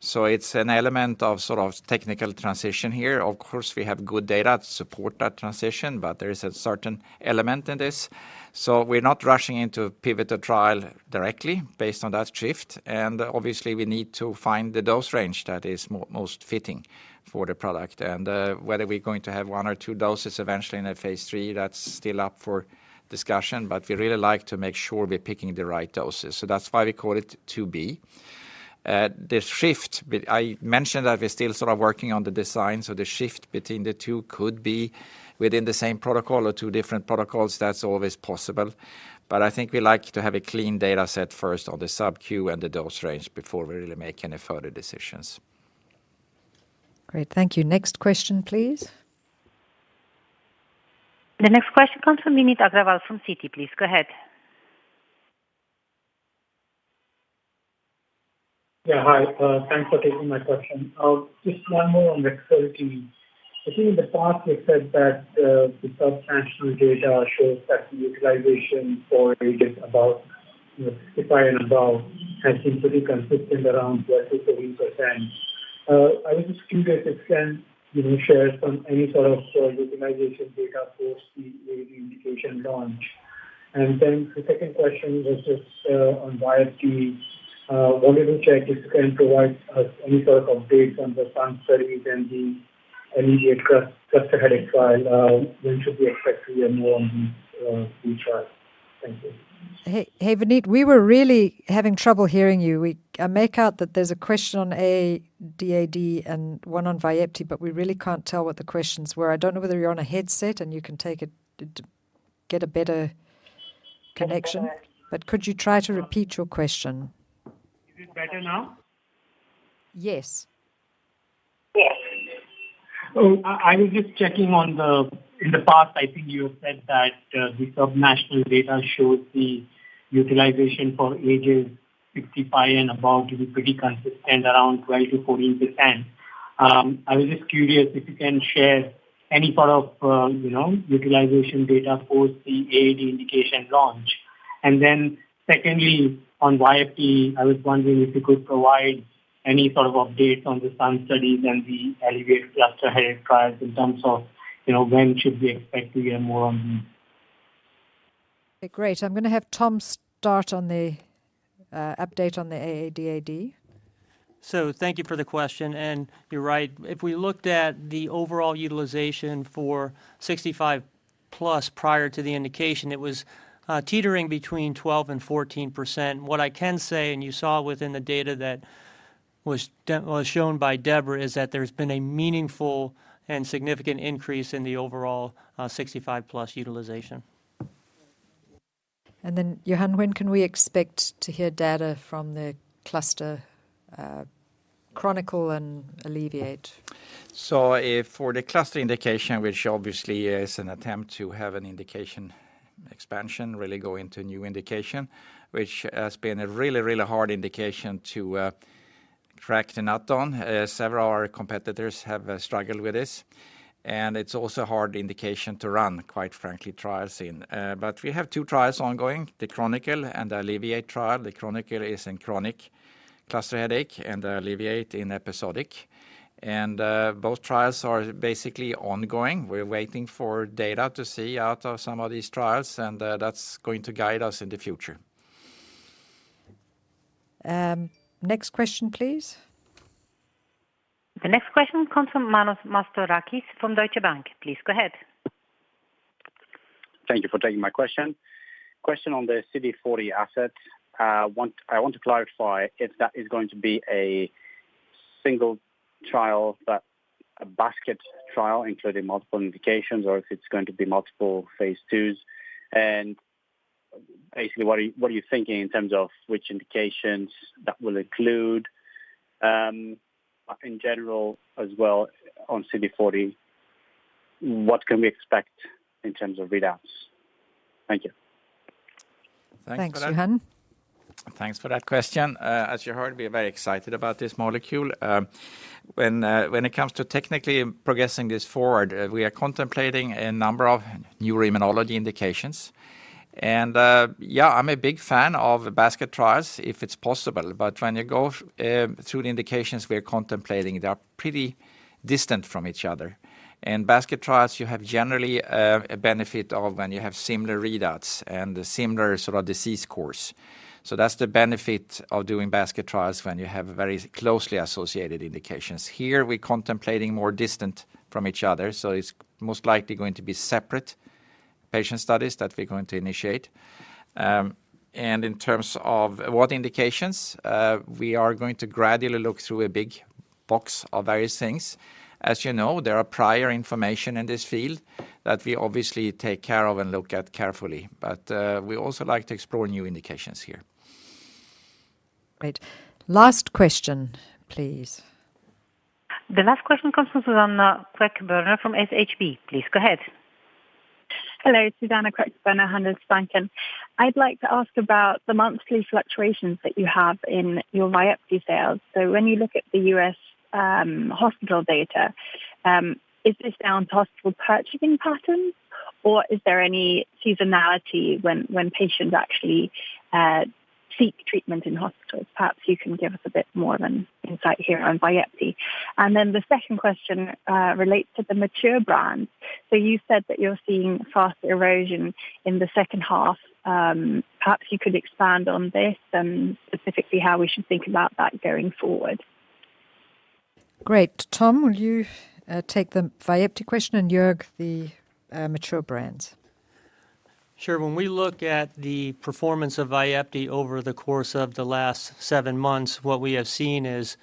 [SPEAKER 3] It's an element of sort of technical transition here. Of course, we have good data to support that transition, but there is a certain element in this, so we're not rushing into a pivotal trial directly based on that shift. Obviously, we need to find the dose range that is most fitting for the product. Whether we're going to have 1 or 2 doses eventually in a phase 3, that's still up for discussion, but we really like to make sure we're picking the right doses. That's why we call it 2B. The shift. I mentioned that we're still sort of working on the design, so the shift between the two could be within the same protocol or two different protocols. That's always possible. I think we like to have a clean data set first on the sub-Q and the dose range before we really make any further decisions.
[SPEAKER 2] Great. Thank you. Next question, please.
[SPEAKER 1] The next question comes from Vineet Agarwal from Citi, please. Go ahead.
[SPEAKER 13] Yeah, hi. Thanks for taking my question. Just one more on Rexulti. I think in the past, you said that the transactional data shows that the utilization for ages about, you know, 65 and above, has been pretty consistent around 12%-14%. I was just curious if you can, you know, share some, any sort of, utilization data for the AD indication launch. The second question was just on Vyepti. Wanted to check if you can provide us any sort of updates on the SUN studies and the ALLEVIATE cluster headache trial. When should we expect to hear more on these 2 trials? Thank you.
[SPEAKER 2] Hey, hey, Vineet, we were really having trouble hearing you. I make out that there's a question on ADAD and one on Vyepti, but we really can't tell what the questions were. I don't know whether you're on a headset and you can take it to get a better connection, but could you try to repeat your question?
[SPEAKER 13] Is it better now?
[SPEAKER 2] Yes.
[SPEAKER 1] Yes.
[SPEAKER 13] I, I was just checking on the. In the past, I think you said that the transnational data shows the utilization for ages 65 and above to be pretty consistent, around 12%-14%. I was just curious if you can share any part of, you know, utilization data for the AD indication launch. Secondly, on Vyepti, I was wondering if you could provide any sort of update on the SUN studies and the ALLEVIATE cluster head trials in terms of, you know, when should we expect to hear more on them?
[SPEAKER 2] Great. I'm gonna have Tom start on the update on the ADAD.
[SPEAKER 6] Thank you for the question, and you're right. If we looked at the overall utilization for 65-plus prior to the indication, it was teetering between 12% and 14%. What I can say, and you saw within the data that was shown by Deborah, is that there's been a meaningful and significant increase in the overall 65-plus utilization.
[SPEAKER 2] Johan, when can we expect to hear data from the cluster, CHRONICLE and ALLEVIATE?
[SPEAKER 3] If for the cluster indication, which obviously is an attempt to have an indication expansion, really go into new indication, which has been a really, really hard indication to crack the nut on. Several of our competitors have struggled with this, and it's also a hard indication to run, quite frankly, trials in. But we have 2 trials ongoing, the CHRONICLE and ALLEVIATE trial. The CHRONICLE is in chronic cluster headache and the ALLEVIATE in episodic. Both trials are basically ongoing. We're waiting for data to see out of some of these trials. That's going to guide us in the future.
[SPEAKER 2] Next question, please.
[SPEAKER 1] The next question comes from Manos Mastorakis from Deutsche Bank. Please go ahead.
[SPEAKER 14] Thank you for taking my question. Question on the CD40 asset. I want to clarify if that is going to be a single trial, but a basket trial, including multiple indications, or if it's going to be multiple phase IIs? Basically, what are you, what are you thinking in terms of which indications that will include, in general as well on CD40, what can we expect in terms of readouts? Thank you.
[SPEAKER 2] Thanks, Johan.
[SPEAKER 3] Thanks for that question. As you heard, we are very excited about this molecule. When, when it comes to technically progressing this forward, we are contemplating a number of new immunology indications and, yeah, I'm a big fan of the basket trials if it's possible. When you go through the indications we are contemplating, they are pretty distant from each other. In basket trials, you have generally a benefit of when you have similar readouts and a similar sort of disease course. That's the benefit of doing basket trials when you have very closely associated indications. Here we're contemplating more distant from each other, so it's most likely going to be separate patient studies that we're going to initiate. In terms of what indications, we are going to gradually look through a big box of various things. As you know, there are prior information in this field that we obviously take care of and look at carefully, but, we also like to explore new indications here.
[SPEAKER 2] Great. Last question, please.
[SPEAKER 1] The last question comes from Susanna Kreckburna from SHB. Please go ahead.
[SPEAKER 15] Hello, Susanna Kreckburna, Handelsbanken. I'd like to ask about the monthly fluctuations that you have in your Vyepti sales. When you look at the US hospital data, is this down to hospital purchasing patterns, or is there any seasonality when, when patients actually seek treatment in hospitals? Perhaps you can give us a bit more than insight here on Vyepti. The second question relates to the mature brands. You said that you're seeing fast erosion in the second half. Perhaps you could expand on this and specifically how we should think about that going forward.
[SPEAKER 2] Great. Tom, will you take the Vyepti question and Jörg, the mature brands?
[SPEAKER 6] Sure. When we look at the performance of Vyepti over the course of the last seven months, what we have seen is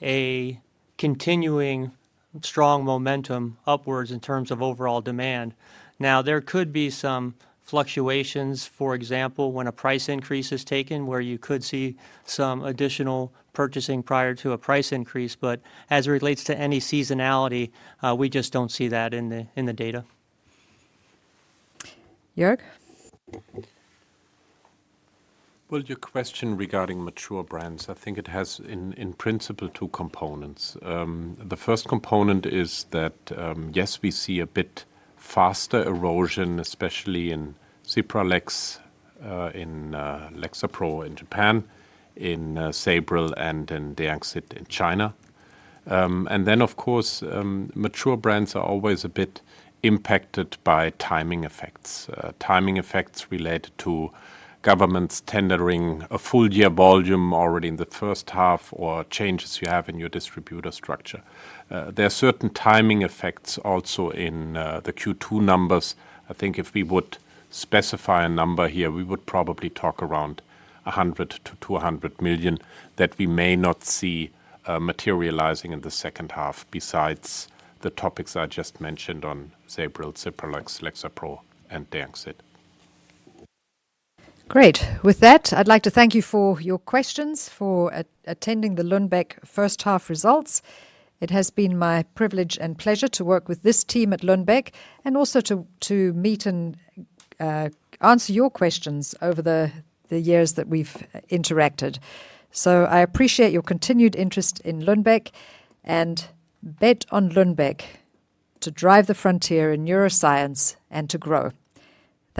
[SPEAKER 6] a continuing strong momentum upwards in terms of overall demand. Now, there could be some fluctuations, for example, when a price increase is taken, where you could see some additional purchasing prior to a price increase, but as it relates to any seasonality, we just don't see that in the, in the data.
[SPEAKER 2] Jörg?
[SPEAKER 4] Well, your question regarding mature brands, I think it has in, in principle, 2 components. The first component is that, yes, we see a bit faster erosion, especially in Cipralex, in Lexapro in Japan, in Sabril and in Deanxit in China. Then, of course, mature brands are always a bit impacted by timing effects. Timing effects related to governments tendering a full year volume already in the first half or changes you have in your distributor structure. There are certain timing effects also in the Q2 numbers. I think if we would specify a number here, we would probably talk around 100 million-200 million, that we may not see materializing in the second half besides the topics I just mentioned on Sabril, Cipralex, Lexapro, and Deanxit.
[SPEAKER 2] Great. With that, I'd like to thank you for your questions, for attending the Lundbeck first half results. It has been my privilege and pleasure to work with this team at Lundbeck and also to meet and answer your questions over the years that we've interacted. I appreciate your continued interest in Lundbeck and bet on Lundbeck to drive the frontier in neuroscience and to grow.